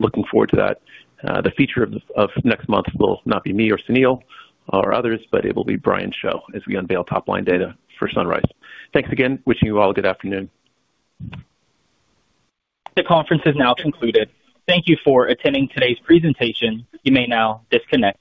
Looking forward to that. The feature of next month will not be me or Sunil or others, but it will be Brian's show as we unveil top-line data for sunRIZE. Thanks again. Wishing you all a good afternoon. The conference is now concluded. Thank you for attending today's presentation. You may now disconnect.